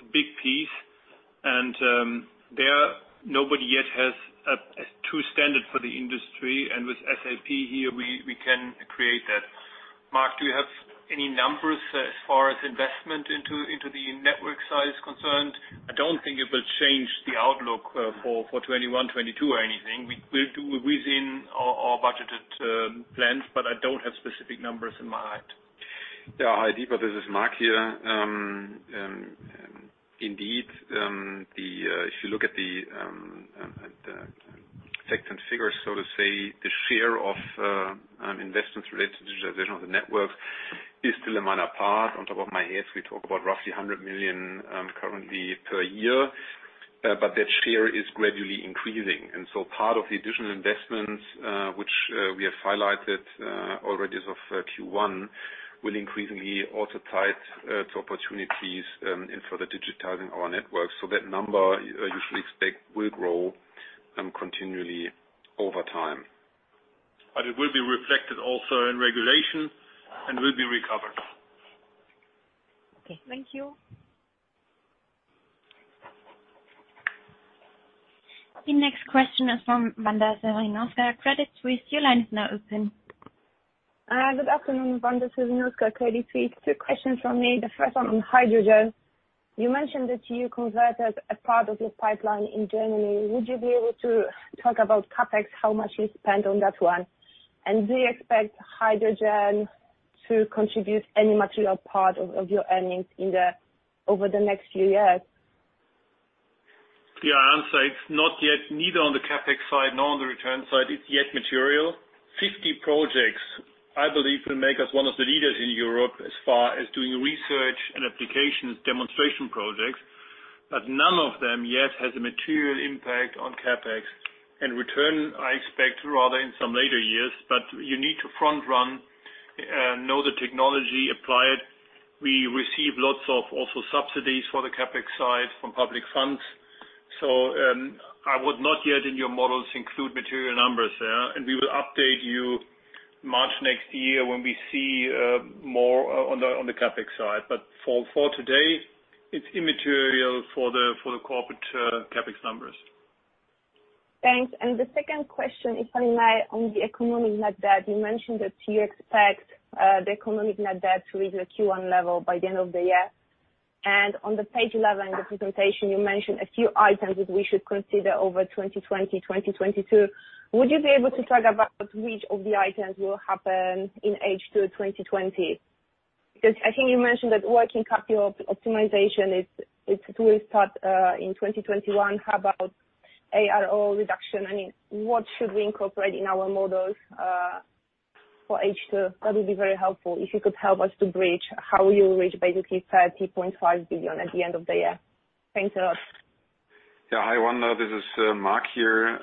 a big piece and there nobody yet has a true standard for the industry. With SAP here, we can create that. Marc, do you have any numbers as far as investment into the network side is concerned? I don't think it will change the outlook for 2021, 2022 or anything. We'll do within our budgeted plans, I don't have specific numbers in mind. Yeah, hi, Deepa. This is Marc here. Indeed, if you look at the facts and figures, so to say, the share of investments related to digitization of the network is still a minor part. On top of my head, we talk about roughly 100 million currently per year. That share is gradually increasing. Part of the additional investments which we have highlighted already as of Q1 will increasingly also tie to opportunities and for the digitizing our network. That number you should expect will grow continually over time. It will be reflected also in regulation and will be recovered. Okay. Thank you. The next question is from Wanda Serwinowska, Credit Suisse. Your line is now open. Good afternoon. Wanda Serwinowska, Credit Suisse. two questions from me. The first one on hydrogen. You mentioned that you converted a part of your pipeline in Germany. Would you be able to talk about CapEx, how much you spent on that one? Do you expect hydrogen to contribute any material part of your earnings over the next few years? The answer, it's not yet, neither on the CapEx side nor on the return side, it's yet material. 50 projects, I believe, will make us one of the leaders in Europe as far as doing research and applications demonstration projects. None of them yet has a material impact on CapEx and return, I expect, rather in some later years. You need to front run, know the technology, apply it. We receive lots of also subsidies for the CapEx side from public funds. I would not yet in your models include material numbers there, and we will update you March next year when we see more on the CapEx side. For today, it's immaterial for the corporate CapEx numbers. Thanks. The second question is on the economic net debt. You mentioned that you expect the economic net debt to reach the Q1 level by the end of the year. On the page 11 in the presentation, you mentioned a few items that we should consider over 2020, 2022. Would you be able to talk about which of the items will happen in H2 2020? I think you mentioned that working capital optimization it will start in 2021. How about ARO reduction? What should we incorporate in our models for H2? That would be very helpful if you could help us to bridge how you reach basically 30.5 billion at the end of the year. Thanks a lot. Hi, Wanda. This is Marc here.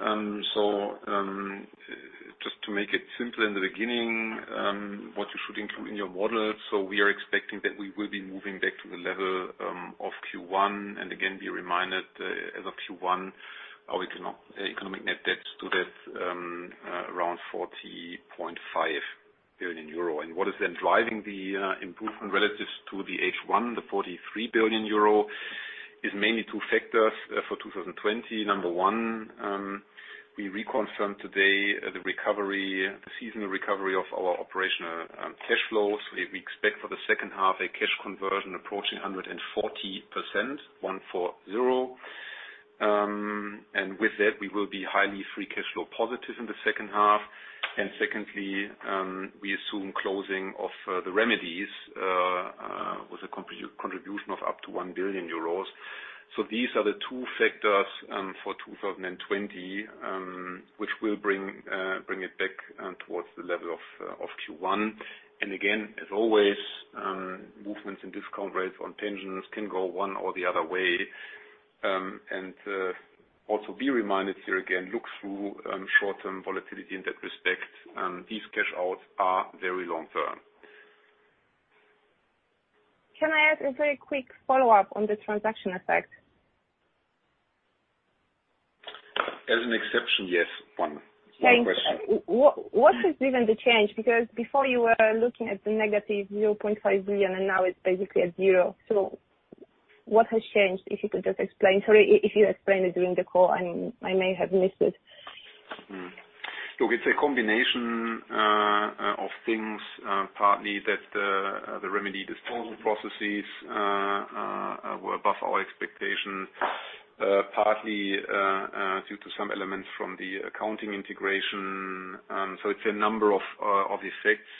Just to make it simple in the beginning, what you should include in your model. We are expecting that we will be moving back to the level of Q1. Again, be reminded, as of Q1, our economic net debt stood at around 40.5 billion euro. What is then driving the improvement relative to the H1, the 43 billion euro, is mainly two factors for 2020. Number one, we reconfirm today the seasonal recovery of our operational cash flows. We expect for the second half a cash conversion approaching 140%. With that, we will be highly free cash flow positive in the second half. Secondly, we assume closing of the remedies with a contribution of up to 1 billion euros. These are the two factors for 2020 which will bring it back towards the level of Q1. Again, as always, movements in discount rates on pensions can go one or the other way. Also be reminded here again, look through short-term volatility in that respect. These cash outs are very long-term. Can I ask a very quick follow-up on the transaction effect? As an exception, yes. One more question. Thanks. What has driven the change? Before you were looking at the -0.5 billion, and now it's basically at 0. What has changed, if you could just explain? Sorry if you explained it during the call, I may have missed it. Look, it's a combination of things. Partly that the remedy disposal processes were above our expectation, partly due to some elements from the accounting integration. It's a number of effects,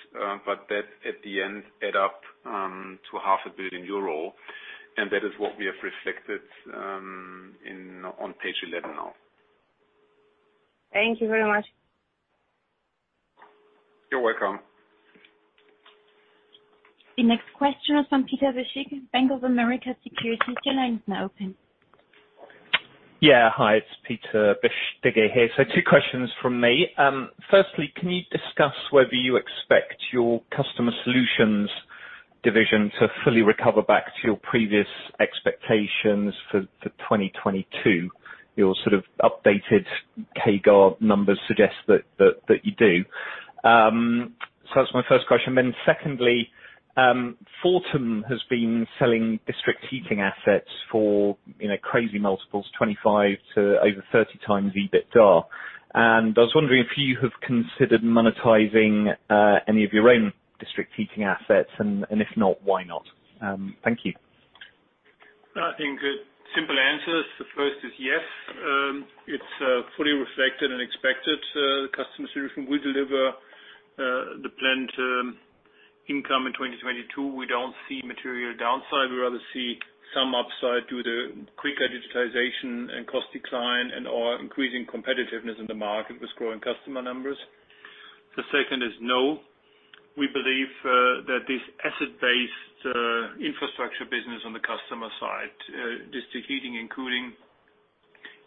but that at the end add up to 0.5 billion euro, and that is what we have reflected on page 11 now. Thank you very much. You're welcome. The next question is from Peter Bisztyga, Bank of America Securities. Your line is now open. Yeah. Hi, it's Peter Bisztyga here. Two questions from me. Firstly, can you discuss whether you expect your Customer Solutions division to fully recover back to your previous expectations for 2022? Your sort of updated CAGR numbers suggest that you do. That's my first question. Secondly, Fortum has been selling district heating assets for crazy multiples, 25 to over 30 times EBITDA. I was wondering if you have considered monetizing any of your own district heating assets, and if not, why not? Thank you. I think simple answers. The first is yes. It's fully reflected and expected. The Customer Solutions will deliver the planned income in 2022. We don't see material downside. We rather see some upside due to quicker digitization and cost decline and/or increasing competitiveness in the market with growing customer numbers. The second is no. We believe that this asset-based infrastructure business on the customer side, district heating and cooling,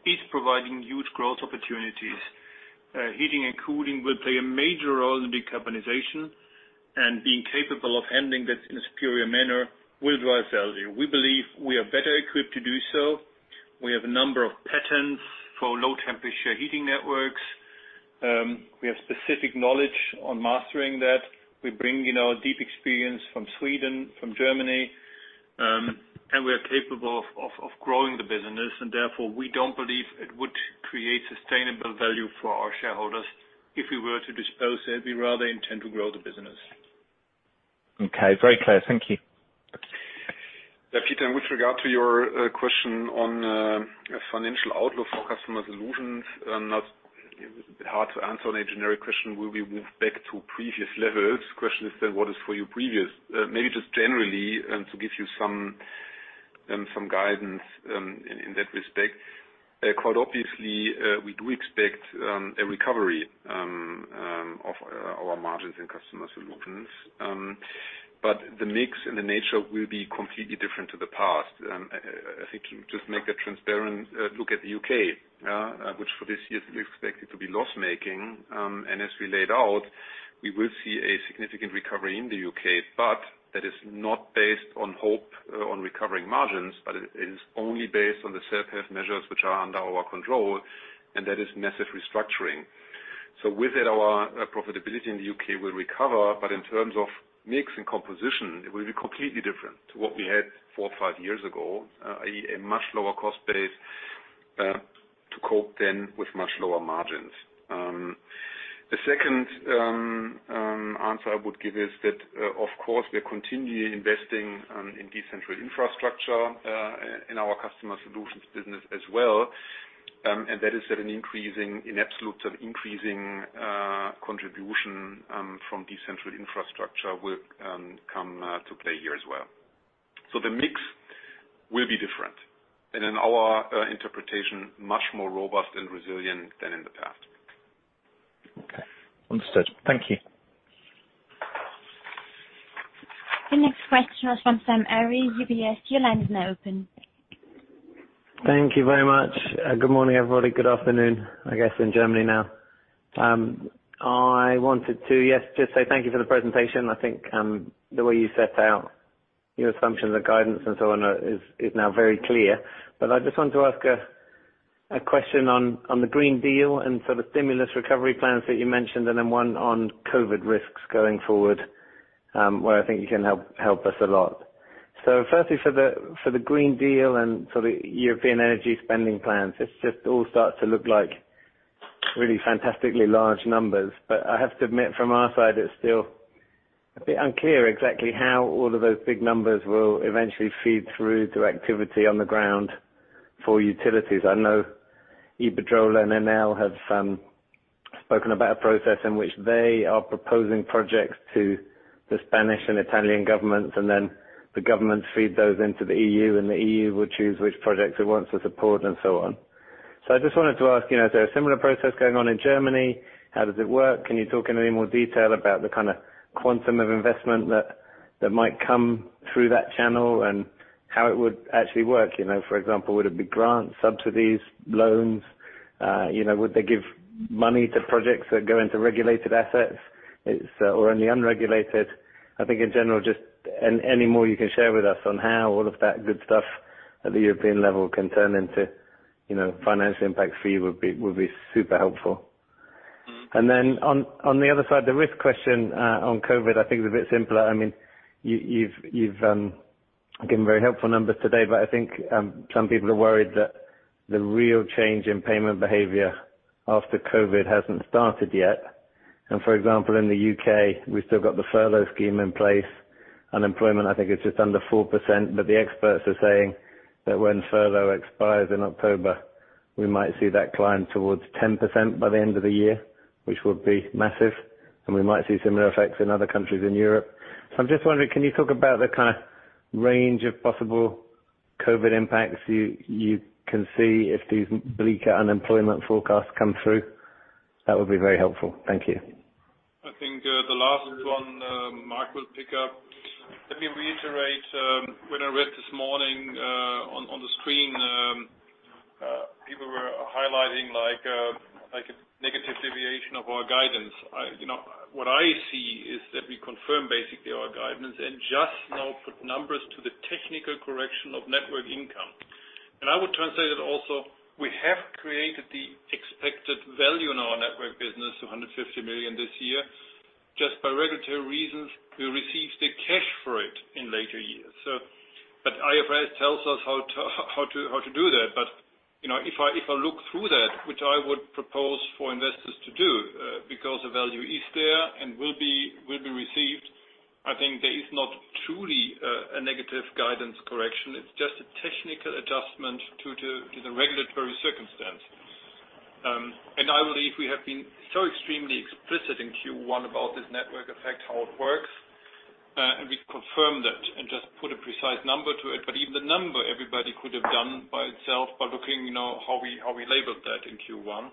is providing huge growth opportunities. Heating and cooling will play a major role in decarbonization, and being capable of handling that in a superior manner will drive value. We believe we are better equipped to do so. We have a number of patents for low-temperature heating networks. We have specific knowledge on mastering that. We bring in our deep experience from Sweden, from Germany, and we are capable of growing the business, and therefore, we don't believe it would create sustainable value for our shareholders if we were to dispose it. We rather intend to grow the business. Okay. Very clear. Thank you. Peter, with regard to your question on financial outlook for Customer Solutions, hard to answer on a generic question, will we move back to previous levels? Question is what is for you previous? Maybe just generally, to give you some guidance in that respect. Quite obviously, we do expect a recovery of our margins in Customer Solutions. The mix and the nature will be completely different to the past. I think to just make that transparent, look at the U.K., which for this year we expect it to be loss-making. As we laid out, we will see a significant recovery in the U.K., but that is not based on hope on recovering margins, but it is only based on the self-help measures which are under our control, and that is massive restructuring. With it, our profitability in the U.K. will recover, but in terms of mix and composition, it will be completely different to what we had four or five years ago, i.e., a much lower cost base, to cope then with much lower margins. The second answer I would give is that, of course, we are continually investing in decentral infrastructure, in our Customer Solutions business as well. That is at an increase in absolute increasing contribution from decentral infrastructure will come to play here as well. The mix will be different. In our interpretation, much more robust and resilient than in the past. Okay. Understood. Thank you. The next question is from Sam Arie, UBS. Thank you very much. Good morning, everybody. Good afternoon, I guess, in Germany now. I wanted to, yes, just say thank you for the presentation. I think the way you set out your assumptions of guidance and so on is now very clear. I just want to ask a question on the Green Deal and sort of stimulus recovery plans that you mentioned, and then one on COVID risks going forward, where I think you can help us a lot. Firstly, for the Green Deal and for the European energy spending plans, it just all starts to look like really fantastically large numbers. I have to admit from our side, it's still a bit unclear exactly how all of those big numbers will eventually feed through to activity on the ground for utilities. I know Iberdrola and Enel have spoken about a process in which they are proposing projects to the Spanish and Italian governments, and then the governments feed those into the EU, and the EU will choose which projects it wants to support and so on. I just wanted to ask, is there a similar process going on in Germany? How does it work? Can you talk in any more detail about the kind of quantum of investment that might come through that channel and how it would actually work? For example, would it be grants, subsidies, loans? Would they give money to projects that go into regulated assets or in the unregulated? I think in general, just any more you can share with us on how all of that good stuff at the European level can turn into financial impacts for you would be super helpful. On the other side, the risk question on COVID, I think is a bit simpler. You've given very helpful numbers today, but I think some people are worried that the real change in payment behavior after COVID hasn't started yet. For example, in the U.K., we've still got the furlough scheme in place. Unemployment, I think it's just under 4%, but the experts are saying that when furlough expires in October, we might see that climb towards 10% by the end of the year, which would be massive, and we might see similar effects in other countries in Europe. I'm just wondering, can you talk about the kind of range of possible COVID impacts you can see if these bleaker unemployment forecasts come through? That would be very helpful. Thank you. I think the last one, Marc will pick up. Let me reiterate, when I read this morning on the screen, people were highlighting a negative deviation of our guidance. What I see is that we confirm basically our guidance and just now put numbers to the technical correction of network income. I would translate it also, we have created the expected value in our network business, 150 million this year. Just by regulatory reasons, we receive the cash for it in later years. IFRS tells us how to do that. If I look through that, which I would propose for investors to do, because the value is there and will be received, I think there is not truly a negative guidance correction. It's just a technical adjustment to the regulatory circumstances. I believe we have been so extremely explicit in Q1 about this network effect, how it works, and we confirm that and just put a precise number to it. Even the number everybody could have done by itself by looking how we labeled that in Q1.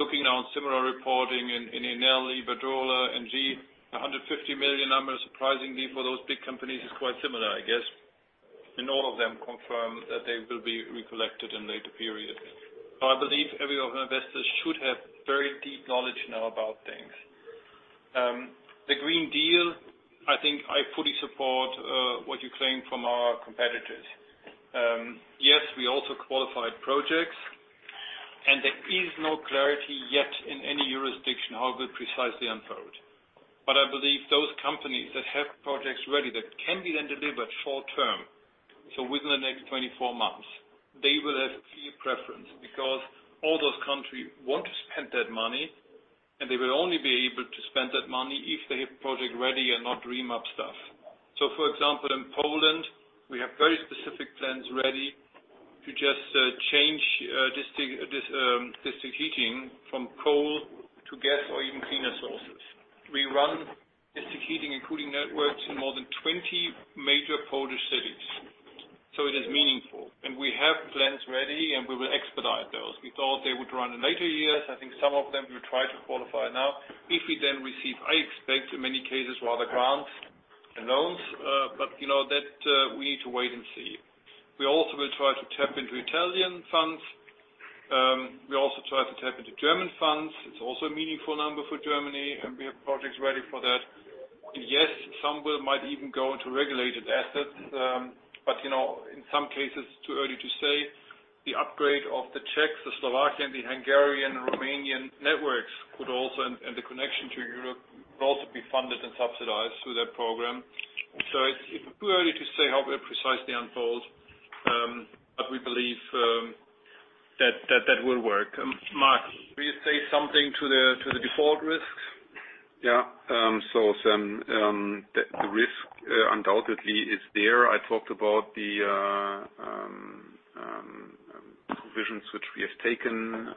Looking now at similar reporting in Enel, Iberdrola, Engie, 150 million numbers, surprisingly for those big companies, is quite similar, I guess. All of them confirm that they will be recollected in later periods. I believe every investor should have very deep knowledge now about things. The Green Deal, I think I fully support what you claim from our competitors. Yes, we also qualified projects, and there is no clarity yet in any jurisdiction how they'll precisely unfold. I believe those companies that have projects ready that can be then delivered short-term, so within the next 24 months, they will have clear preference because all those countries want to spend that money, and they will only be able to spend that money if they have project ready and not dream up stuff. For example, in Poland, we have very specific plans ready to just change district heating from coal to gas or even cleaner sources. We run district heating and cooling networks in more than 20 major Polish cities. It is meaningful, and we have plans ready, and we will expedite those. We thought they would run in later years. I think some of them we will try to qualify now. If we then receive, I expect in many cases, rather grants and loans. That we need to wait and see. We also will try to tap into Italian funds. We also try to tap into German funds. It's also a meaningful number for Germany, and we have projects ready for that. Yes, some will, might even go into regulated assets. In some cases, too early to say. The upgrade of the Czech, the Slovakian, the Hungarian, Romanian networks and the connection to Europe could also be funded and subsidized through that program. It's too early to say how they'll precisely unfold, but we believe that that will work. Marc, will you say something to the default risks? Yeah. The risk undoubtedly is there. I talked about the provisions which we have taken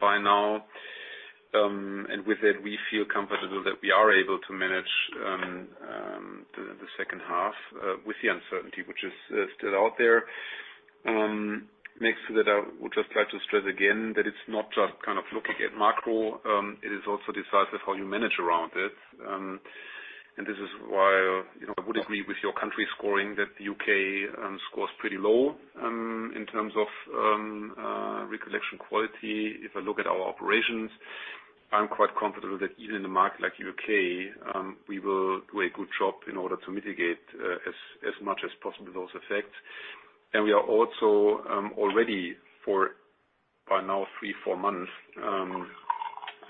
by now. With it, we feel comfortable that we are able to manage the second half with the uncertainty which is still out there. Next to that, I would just like to stress again that it's not just looking at macro. It is also decisive how you manage around it. This is why, would it be with your country scoring that the U.K. scores pretty low in terms of recollection quality. If I look at our operations, I'm quite comfortable that even in a market like U.K., we will do a good job in order to mitigate as much as possible those effects. We are also already for, by now, three, four months,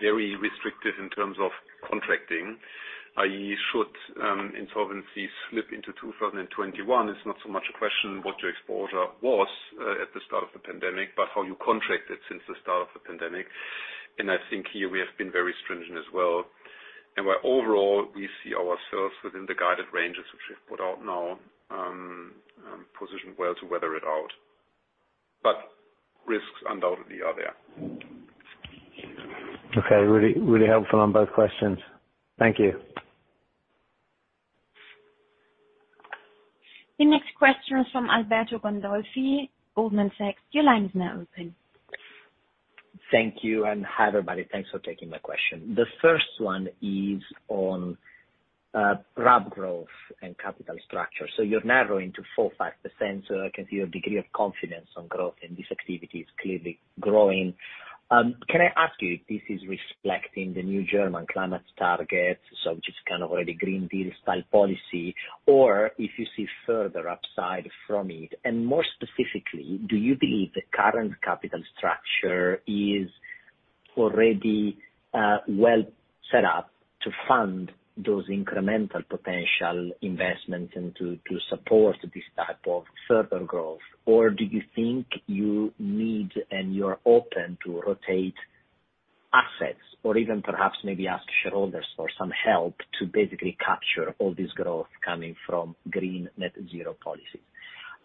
very restricted in terms of contracting, i.e. should insolvency slip into 2021, it's not so much a question what your exposure was at the start of the pandemic, but how you contracted since the start of the pandemic. I think here we have been very stringent as well. Where overall, we see ourselves within the guided ranges which we have put out now, positioned well to weather it out. Risks undoubtedly are there. Okay. Really helpful on both questions. Thank you. The next question is from Alberto Gandolfi, Goldman Sachs. Thank you. Hi, everybody. Thanks for taking my question. The first one is on RAB growth and capital structure. You're narrowing to 4%-5%, so I can see your degree of confidence on growth in this activity is clearly growing. Can I ask you if this is reflecting the new German climate target, which is kind of already Green Deal style policy? Or if you see further upside from it, and more specifically, do you believe the current capital structure is already well set up to fund those incremental potential investments and to support this type of further growth? Or do you think you need, and you're open to rotate assets or even perhaps maybe ask shareholders for some help to basically capture all this growth coming from green net zero policy?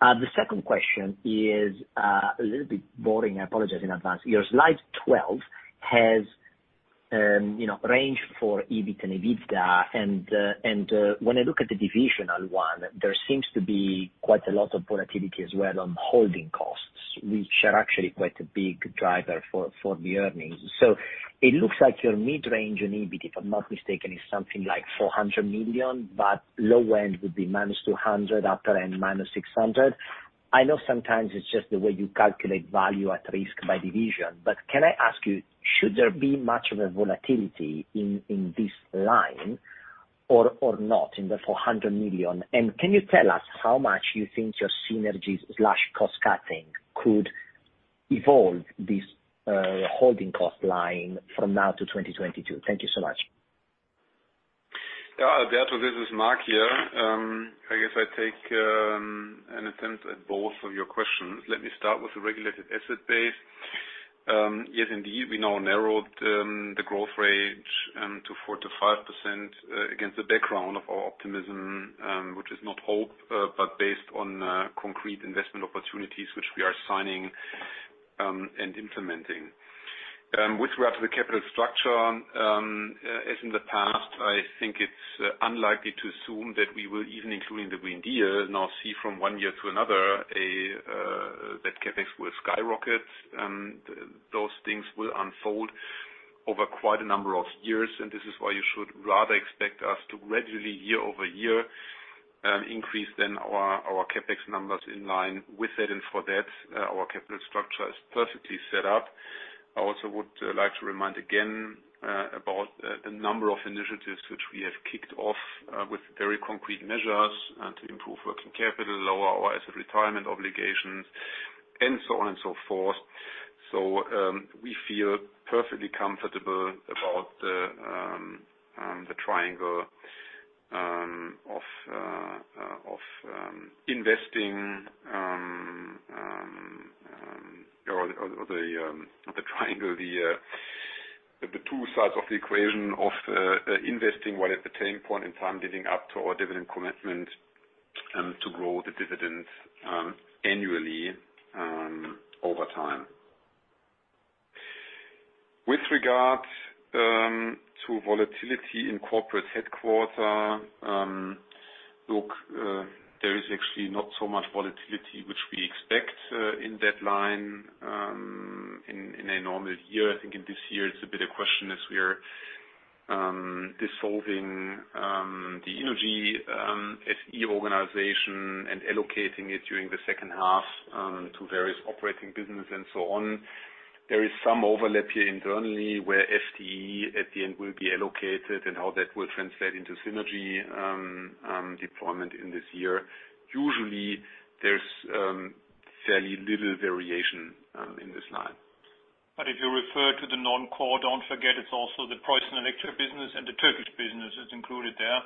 The second question is a little bit boring. I apologize in advance. Your slide 12 has range for EBIT and EBITDA. When I look at the divisional one, there seems to be quite a lot of volatility as well on holding costs, which are actually quite a big driver for the earnings. It looks like your mid-range on EBIT, if I'm not mistaken, is something like 400 million. Low end would be -200, upper end -600. I know sometimes it's just the way you calculate value at risk by division. Can I ask you, should there be much of a volatility in this line or not in the 400 million? Can you tell us how much you think your synergies/cost cutting could evolve this holding cost line from now to 2022? Thank you so much. Yeah, Alberto, this is Marc here. I guess I take an attempt at both of your questions. Let me start with the regulated asset base. Yes, indeed, we now narrowed the growth range to 4%-5% against the background of our optimism, which is not hope, but based on concrete investment opportunities, which we are signing and implementing. With regard to the capital structure, as in the past, I think it's unlikely to assume that we will, even including the Green Deal, now see from one year to another that CapEx will skyrocket. Those things will unfold over quite a number of years, this is why you should rather expect us to gradually, year-over-year, increase then our CapEx numbers in line with it. For that, our capital structure is perfectly set up. I also would like to remind again, about a number of initiatives which we have kicked off with very concrete measures and to improve working capital, lower our asset retirement obligations, and so on and so forth. We feel perfectly comfortable about the triangle of investing or the two sides of the equation of investing while at the same point in time leading up to our dividend commitment and to grow the dividends annually over time. With regard to volatility in corporate headquarters. There is actually not so much volatility which we expect in that line. In a normal year, I think in this year it's a bit a question as we are dissolving the innogy SE organization and allocating it during the second half to various operating businesses and so on. There is some overlap here internally where FTE at the end will be allocated and how that will translate into synergy deployment in this year. Usually, there's fairly little variation in this line. If you refer to the non-core, don't forget, it's also the PreussenElektra business and the Turkish business is included there.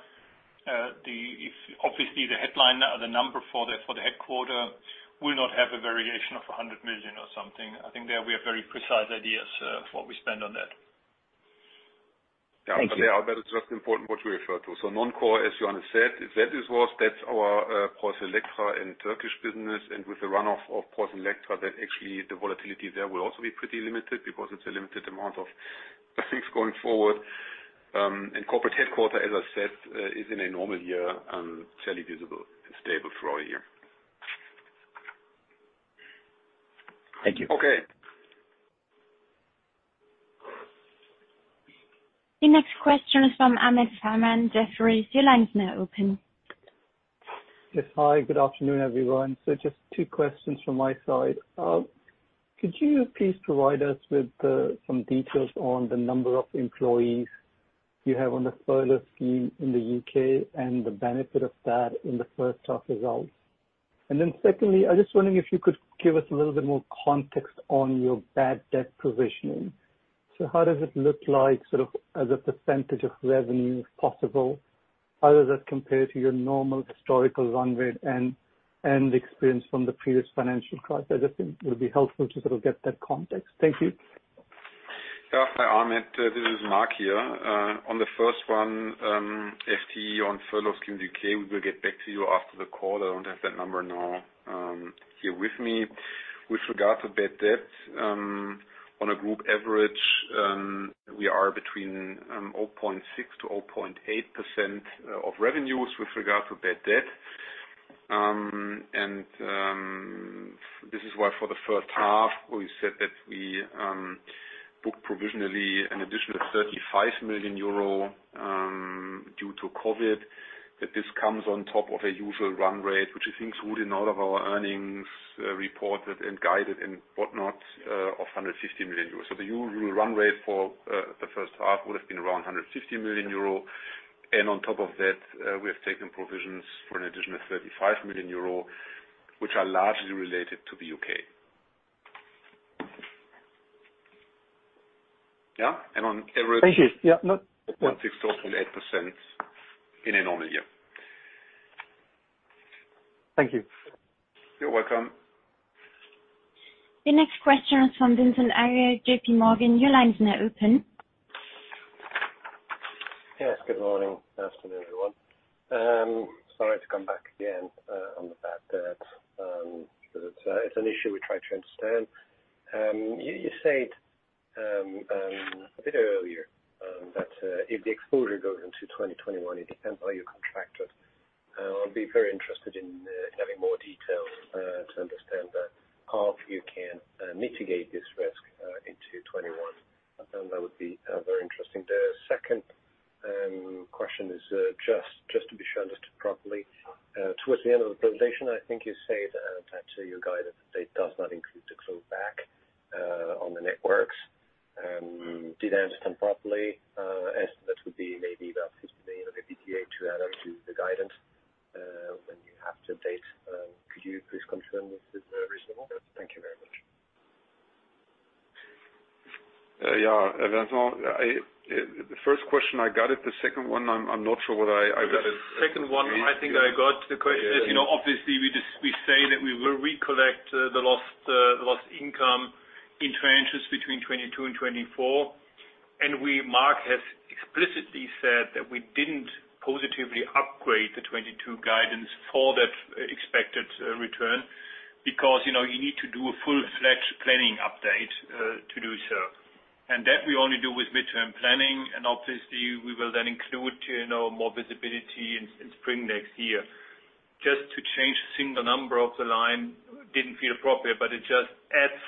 The headline or the number for the headquarter will not have a variation of 100 million or something. I think there we have very precise ideas of what we spend on that. Thank you. Yeah. There, Alberto, it's just important what you referred to. Non-core, as Johannes said, that is worse. That's our PreussenElektra in Turkish business. With the runoff of PreussenElektra, that actually the volatility there will also be pretty limited because it's a limited amount of things going forward. Corporate headquarter, as I said, is in a normal year, fairly visible and stable for all year. Thank you. Okay. The next question is from Ahmed Farman, Jefferies, your line's now open. Yes. Hi, good afternoon, everyone. Just two questions from my side. Could you please provide us with some details on the number of employees you have on the furlough scheme in the U.K. and the benefit of that in the first half results? Secondly, I'm just wondering if you could give us a little bit more context on your bad debt provisioning. How does it look like, sort of as a % of revenue, if possible? How does that compare to your normal historical run rate and experience from the previous financial crisis? I just think it would be helpful to sort of get that context. Thank you. Yeah. Hi, Ahmed, this is Marc here. On the first one, FTE on furlough scheme U.K., we will get back to you after the call. I don't have that number now here with me. With regard to bad debt, on a group average, we are between 0.6%-0.8% of revenues with regard to bad debt. This is why for the first half, we said that we booked provisionally an additional 35 million euro due to COVID-19. That this comes on top of a usual run rate, which I think is good in all of our earnings reported and guided and whatnot, of 150 million euros. The usual run rate for the first half would've been around 150 million euro. On top of that, we have taken provisions for an additional 35 million euro, which are largely related to the U.K. Yeah. On average. Thank you. Yeah. 0.6%-0.8% in a normal year. Thank you. You're welcome. The next question is from Vincent Ayral, JPMorgan. Your line is now open. Yes, good morning. Afternoon, everyone. Sorry to come back again on the bad debt. It's an issue we try to understand. You said a bit earlier that if the exposure goes into 2021, it depends on your contractors. I'll be very interested in having more details to understand that, how you can mitigate this risk into 2021. That would be very interesting. The second question is just to be sure I understood properly. Towards the end of the presentation, I think you said that your guidance date does not include the clawback on the networks. Did I understand properly? Estimate would be maybe about 50 million of EBIT to add up to the guidance, when you have to date. Could you please confirm if this is reasonable? Thank you very much. Yeah. Vincent, the first question I got it, the second one I'm not sure. The second one, I think I got the question. As you know, obviously, we say that we will recollect the lost income in tranches between 2022 and 2024. Marc has explicitly said that we didn't positively upgrade the 2022 guidance for that expected return because you need to do a full-fledged planning update to do so. That we only do with mid-term planning. Obviously we will then include more visibility in spring next year. Just to change the single number off the line didn't feel appropriate, but it just adds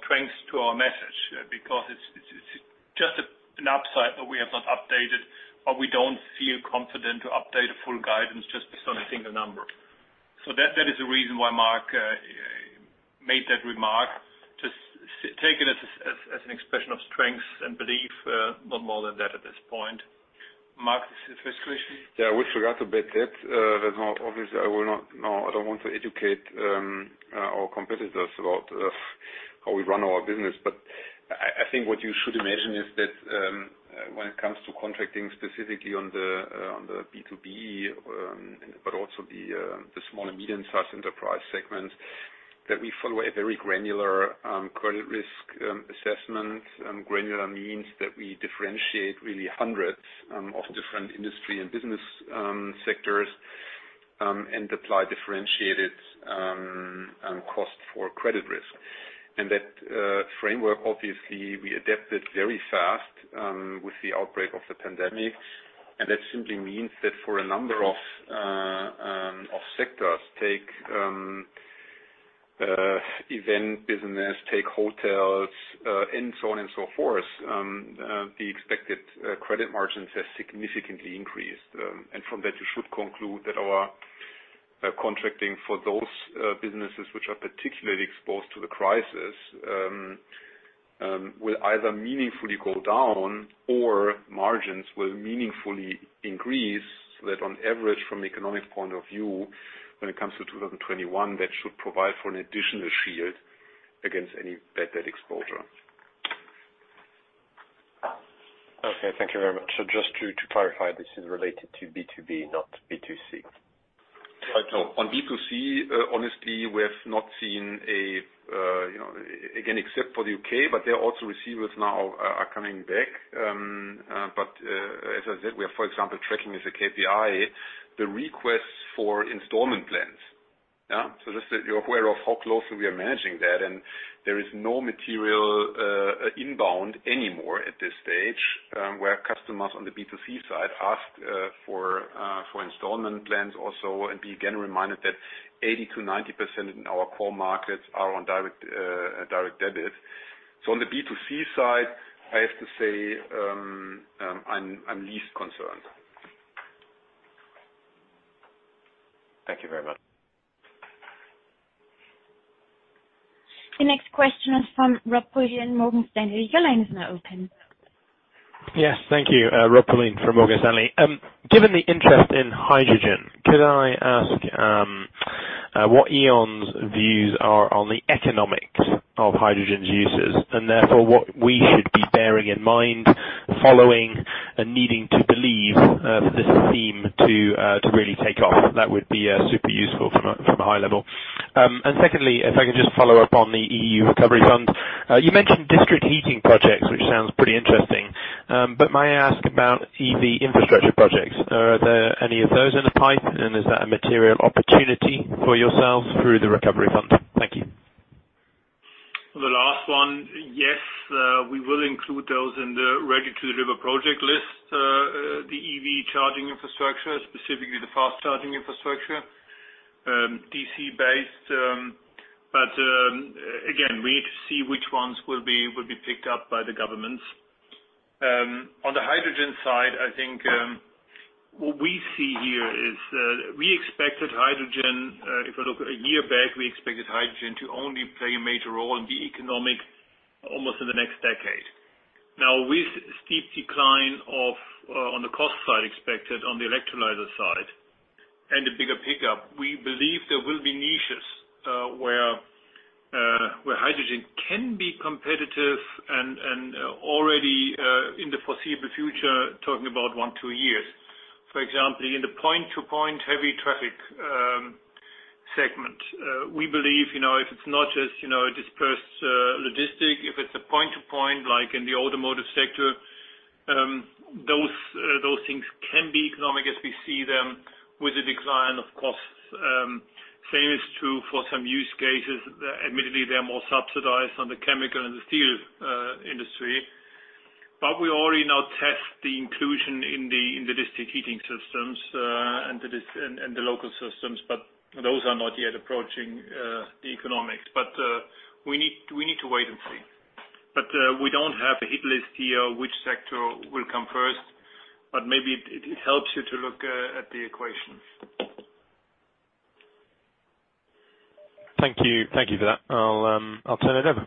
strength to our message because it's just an upside that we have not updated, but we don't feel confident to update a full guidance just based on a single number. That is the reason why Marc made that remark. Just take it as an expression of strength and belief, not more than that at this point. Marc, the first question? Yeah, with regard to bad debt, Vincent, obviously I don't want to educate our competitors about how we run our business. I think what you should imagine is that when it comes to contracting, specifically on the B2B, but also the small and medium-sized enterprise segment, that we follow a very granular credit risk assessment. Granular means that we differentiate really hundreds of different industry and business sectors, and apply differentiated cost for credit risk. That framework, obviously we adapted very fast with the outbreak of the pandemic. That simply means that for a number of sectors, take event business, take hotels, and so on and so forth, the expected credit margins have significantly increased. From that, you should conclude that our contracting for those businesses, which are particularly exposed to the crisis, will either meaningfully go down or margins will meaningfully increase, so that on average, from economic point of view, when it comes to 2021, that should provide for an additional shield against any bad debt exposure. Okay. Thank you very much. Just to clarify, this is related to B2B, not B2C. No. On B2C, honestly, we have not seen again, except for the U.K., but their also receivers now are coming back. As I said, we are, for example, tracking as a KPI the requests for installment plans. Yeah. Just that you're aware of how closely we are managing that. There is no material inbound anymore at this stage, where customers on the B2C side ask for installment plans also. Be again reminded that 80%-90% in our core markets are on direct debit. On the B2C side, I have to say, I'm least concerned. Thank you very much. The next question is from Rob Pulleyn, Morgan Stanley. Your line is now open. Yes. Thank you. Robert Pulleyn from Morgan Stanley. Given the interest in hydrogen, could I ask what E.ON's views are on the economics of hydrogen's uses, and therefore what we should be bearing in mind following and needing to believe for this theme to really take off? That would be super useful from a high level. Secondly, if I could just follow up on the EU recovery funds. You mentioned district heating projects, which sounds pretty interesting. May I ask about EV infrastructure projects? Are there any of those in the pipe, and is that a material opportunity for yourselves through the recovery fund? Thank you. The last one, yes, we will include those in the ready to deliver project list, the EV charging infrastructure, specifically the fast charging infrastructure, DC based. Again, we need to see which ones will be picked up by the governments. On the hydrogen side, I think what we see here is we expected hydrogen, if you look a year back, we expected hydrogen to only play a major role and be economic almost in the next decade. Now with steep decline on the cost side expected on the electrolyzer side and a bigger pickup, we believe there will be niches where hydrogen can be competitive and already in the foreseeable future, talking about one, two years. For example, in the point-to-point heavy traffic segment. We believe if it's not just dispersed logistics, if it's a point to point, like in the automotive sector, those things can be economic as we see them with the decline of costs. Same is true for some use cases. Admittedly, they're more subsidized on the chemical and the steel industry. We already now test the inclusion in the district heating systems and the local systems, but those are not yet approaching the economics. We need to wait and see. We don't have a hit list here which sector will come first, but maybe it helps you to look at the equation. Thank you for that. I'll turn it over.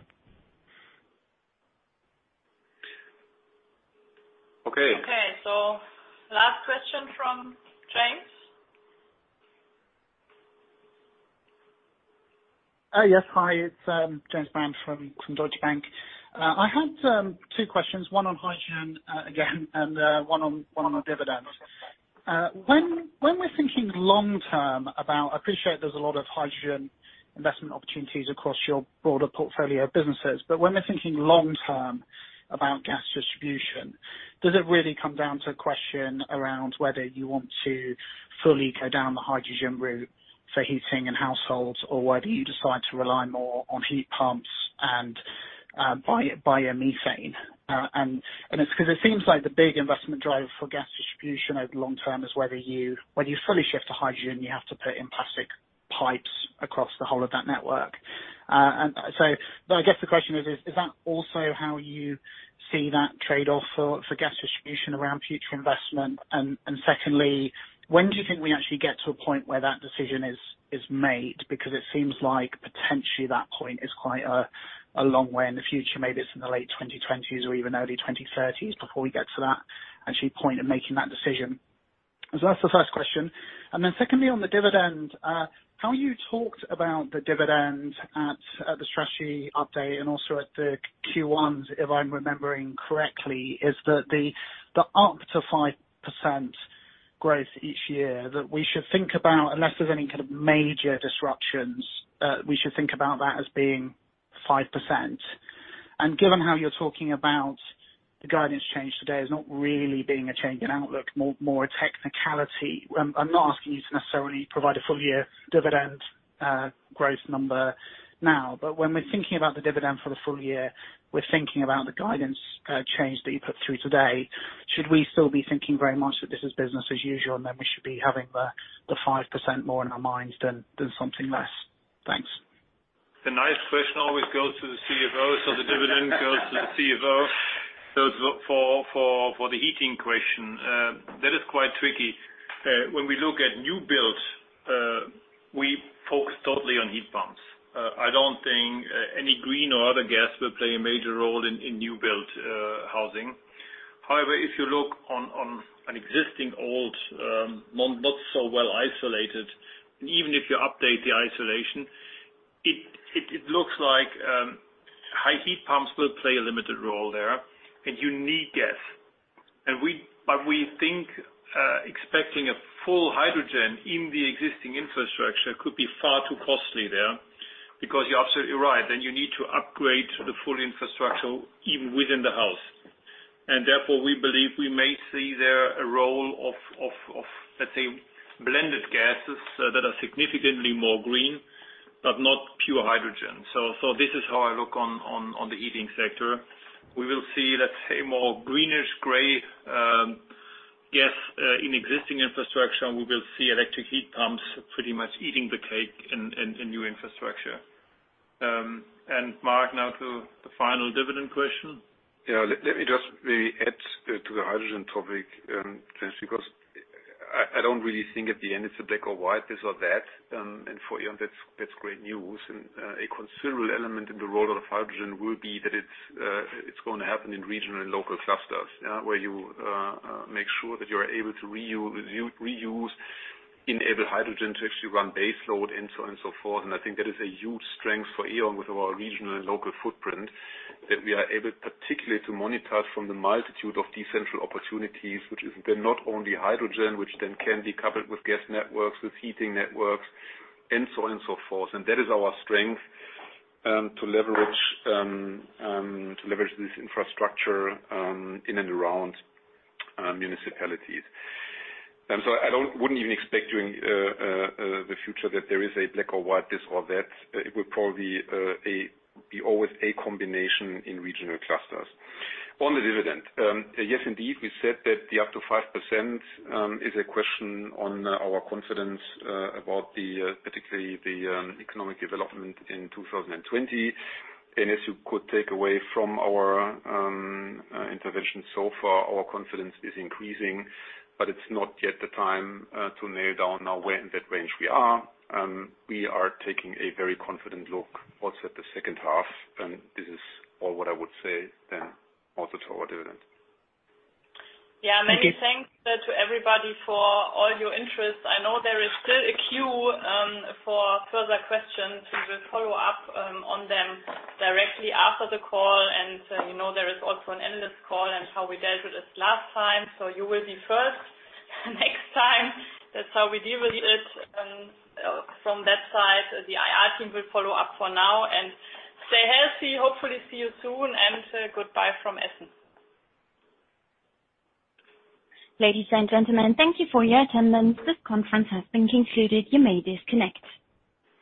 Okay. Okay. Last question from James. Yes. Hi, it's James Brand from Deutsche Bank. I had two questions, one on hydrogen again, and one on dividends. When we're thinking long-term, I appreciate there's a lot of hydrogen investment opportunities across your broader portfolio of businesses, but when we're thinking long-term about gas distribution, does it really come down to a question around whether you want to fully go down the hydrogen route for heating in households, or whether you decide to rely more on heat pumps and biomethane? It's because it seems like the big investment driver for gas distribution over the long term is whether when you fully shift to hydrogen, you have to put in plastic pipes across the whole of that network. I guess the question is that also how you see that trade-off for gas distribution around future investment? Secondly, when do you think we actually get to a point where that decision is made? Because it seems like potentially that point is quite a long way in the future. Maybe it's in the late 2020s or even early 2030s before we get to that actual point of making that decision. That's the first question. Secondly, on the dividend, how you talked about the dividend at the strategy update and also at the Q1s, if I'm remembering correctly, is that the up to 5% growth each year that we should think about, unless there's any kind of major disruptions, we should think about that as being 5%. Given how you're talking about the guidance change today as not really being a change in outlook, more a technicality. I'm not asking you to necessarily provide a full year dividend growth number now. When we're thinking about the dividend for the full year, we're thinking about the guidance change that you put through today. Should we still be thinking very much that this is business as usual, and then we should be having the 5% more in our minds than something less? Thanks. The nice question always goes to the CFO. The dividend goes to the CFO. For the heating question, that is quite tricky. When we look at new builds, we focus totally on heat pumps. I don't think any green or other gas will play a major role in new build housing. However, if you look on an existing old, not so well isolated, even if you update the isolation, it looks like high heat pumps will play a limited role there, and you need gas. We think expecting a full hydrogen in the existing infrastructure could be far too costly there. You're absolutely right, then you need to upgrade the full infrastructure even within the house. Therefore, we believe we may see there a role of, let's say, blended gases that are significantly more green, but not pure hydrogen. This is how I look on the heating sector. We will see, let's say, more greenish gray gas in existing infrastructure. We will see electric heat pumps pretty much eating the cake in new infrastructure. Marc, now to the final dividend question. Yeah. Let me just maybe add to the hydrogen topic, James, because I don't really think at the end it's a black or white, this or that. For E.ON, that's great news. A considerable element in the role of hydrogen will be that it's going to happen in regional and local clusters where you make sure that you're able to reuse, enable hydrogen to actually run base load, and so on and so forth. I think that is a huge strength for E.ON with our regional and local footprint, that we are able particularly to monetize from the multitude of decentral opportunities, which is then not only hydrogen, which then can be covered with gas networks, with heating networks, and so on and so forth. That is our strength to leverage this infrastructure in and around municipalities. I wouldn't even expect during the future that there is a black or white, this or that. It will probably be always a combination in regional clusters. On the dividend. Yes, indeed. We said that the up to 5% is a question on our confidence about particularly the economic development in 2020. As you could take away from our intervention so far, our confidence is increasing, but it's not yet the time to nail down now where in that range we are. We are taking a very confident look also at the second half, and this is all what I would say then also to our dividend. Yeah. Many thanks to everybody for all your interest. I know there is still a queue for further questions. We will follow up on them directly after the call. You know there is also an endless call and how we dealt with it last time. You will be first next time. That's how we deal with it from that side. The IR team will follow up for now and stay healthy. Hopefully see you soon and goodbye from E.ON. Ladies and gentlemen, thank you for your attendance. This conference has been concluded. You may disconnect.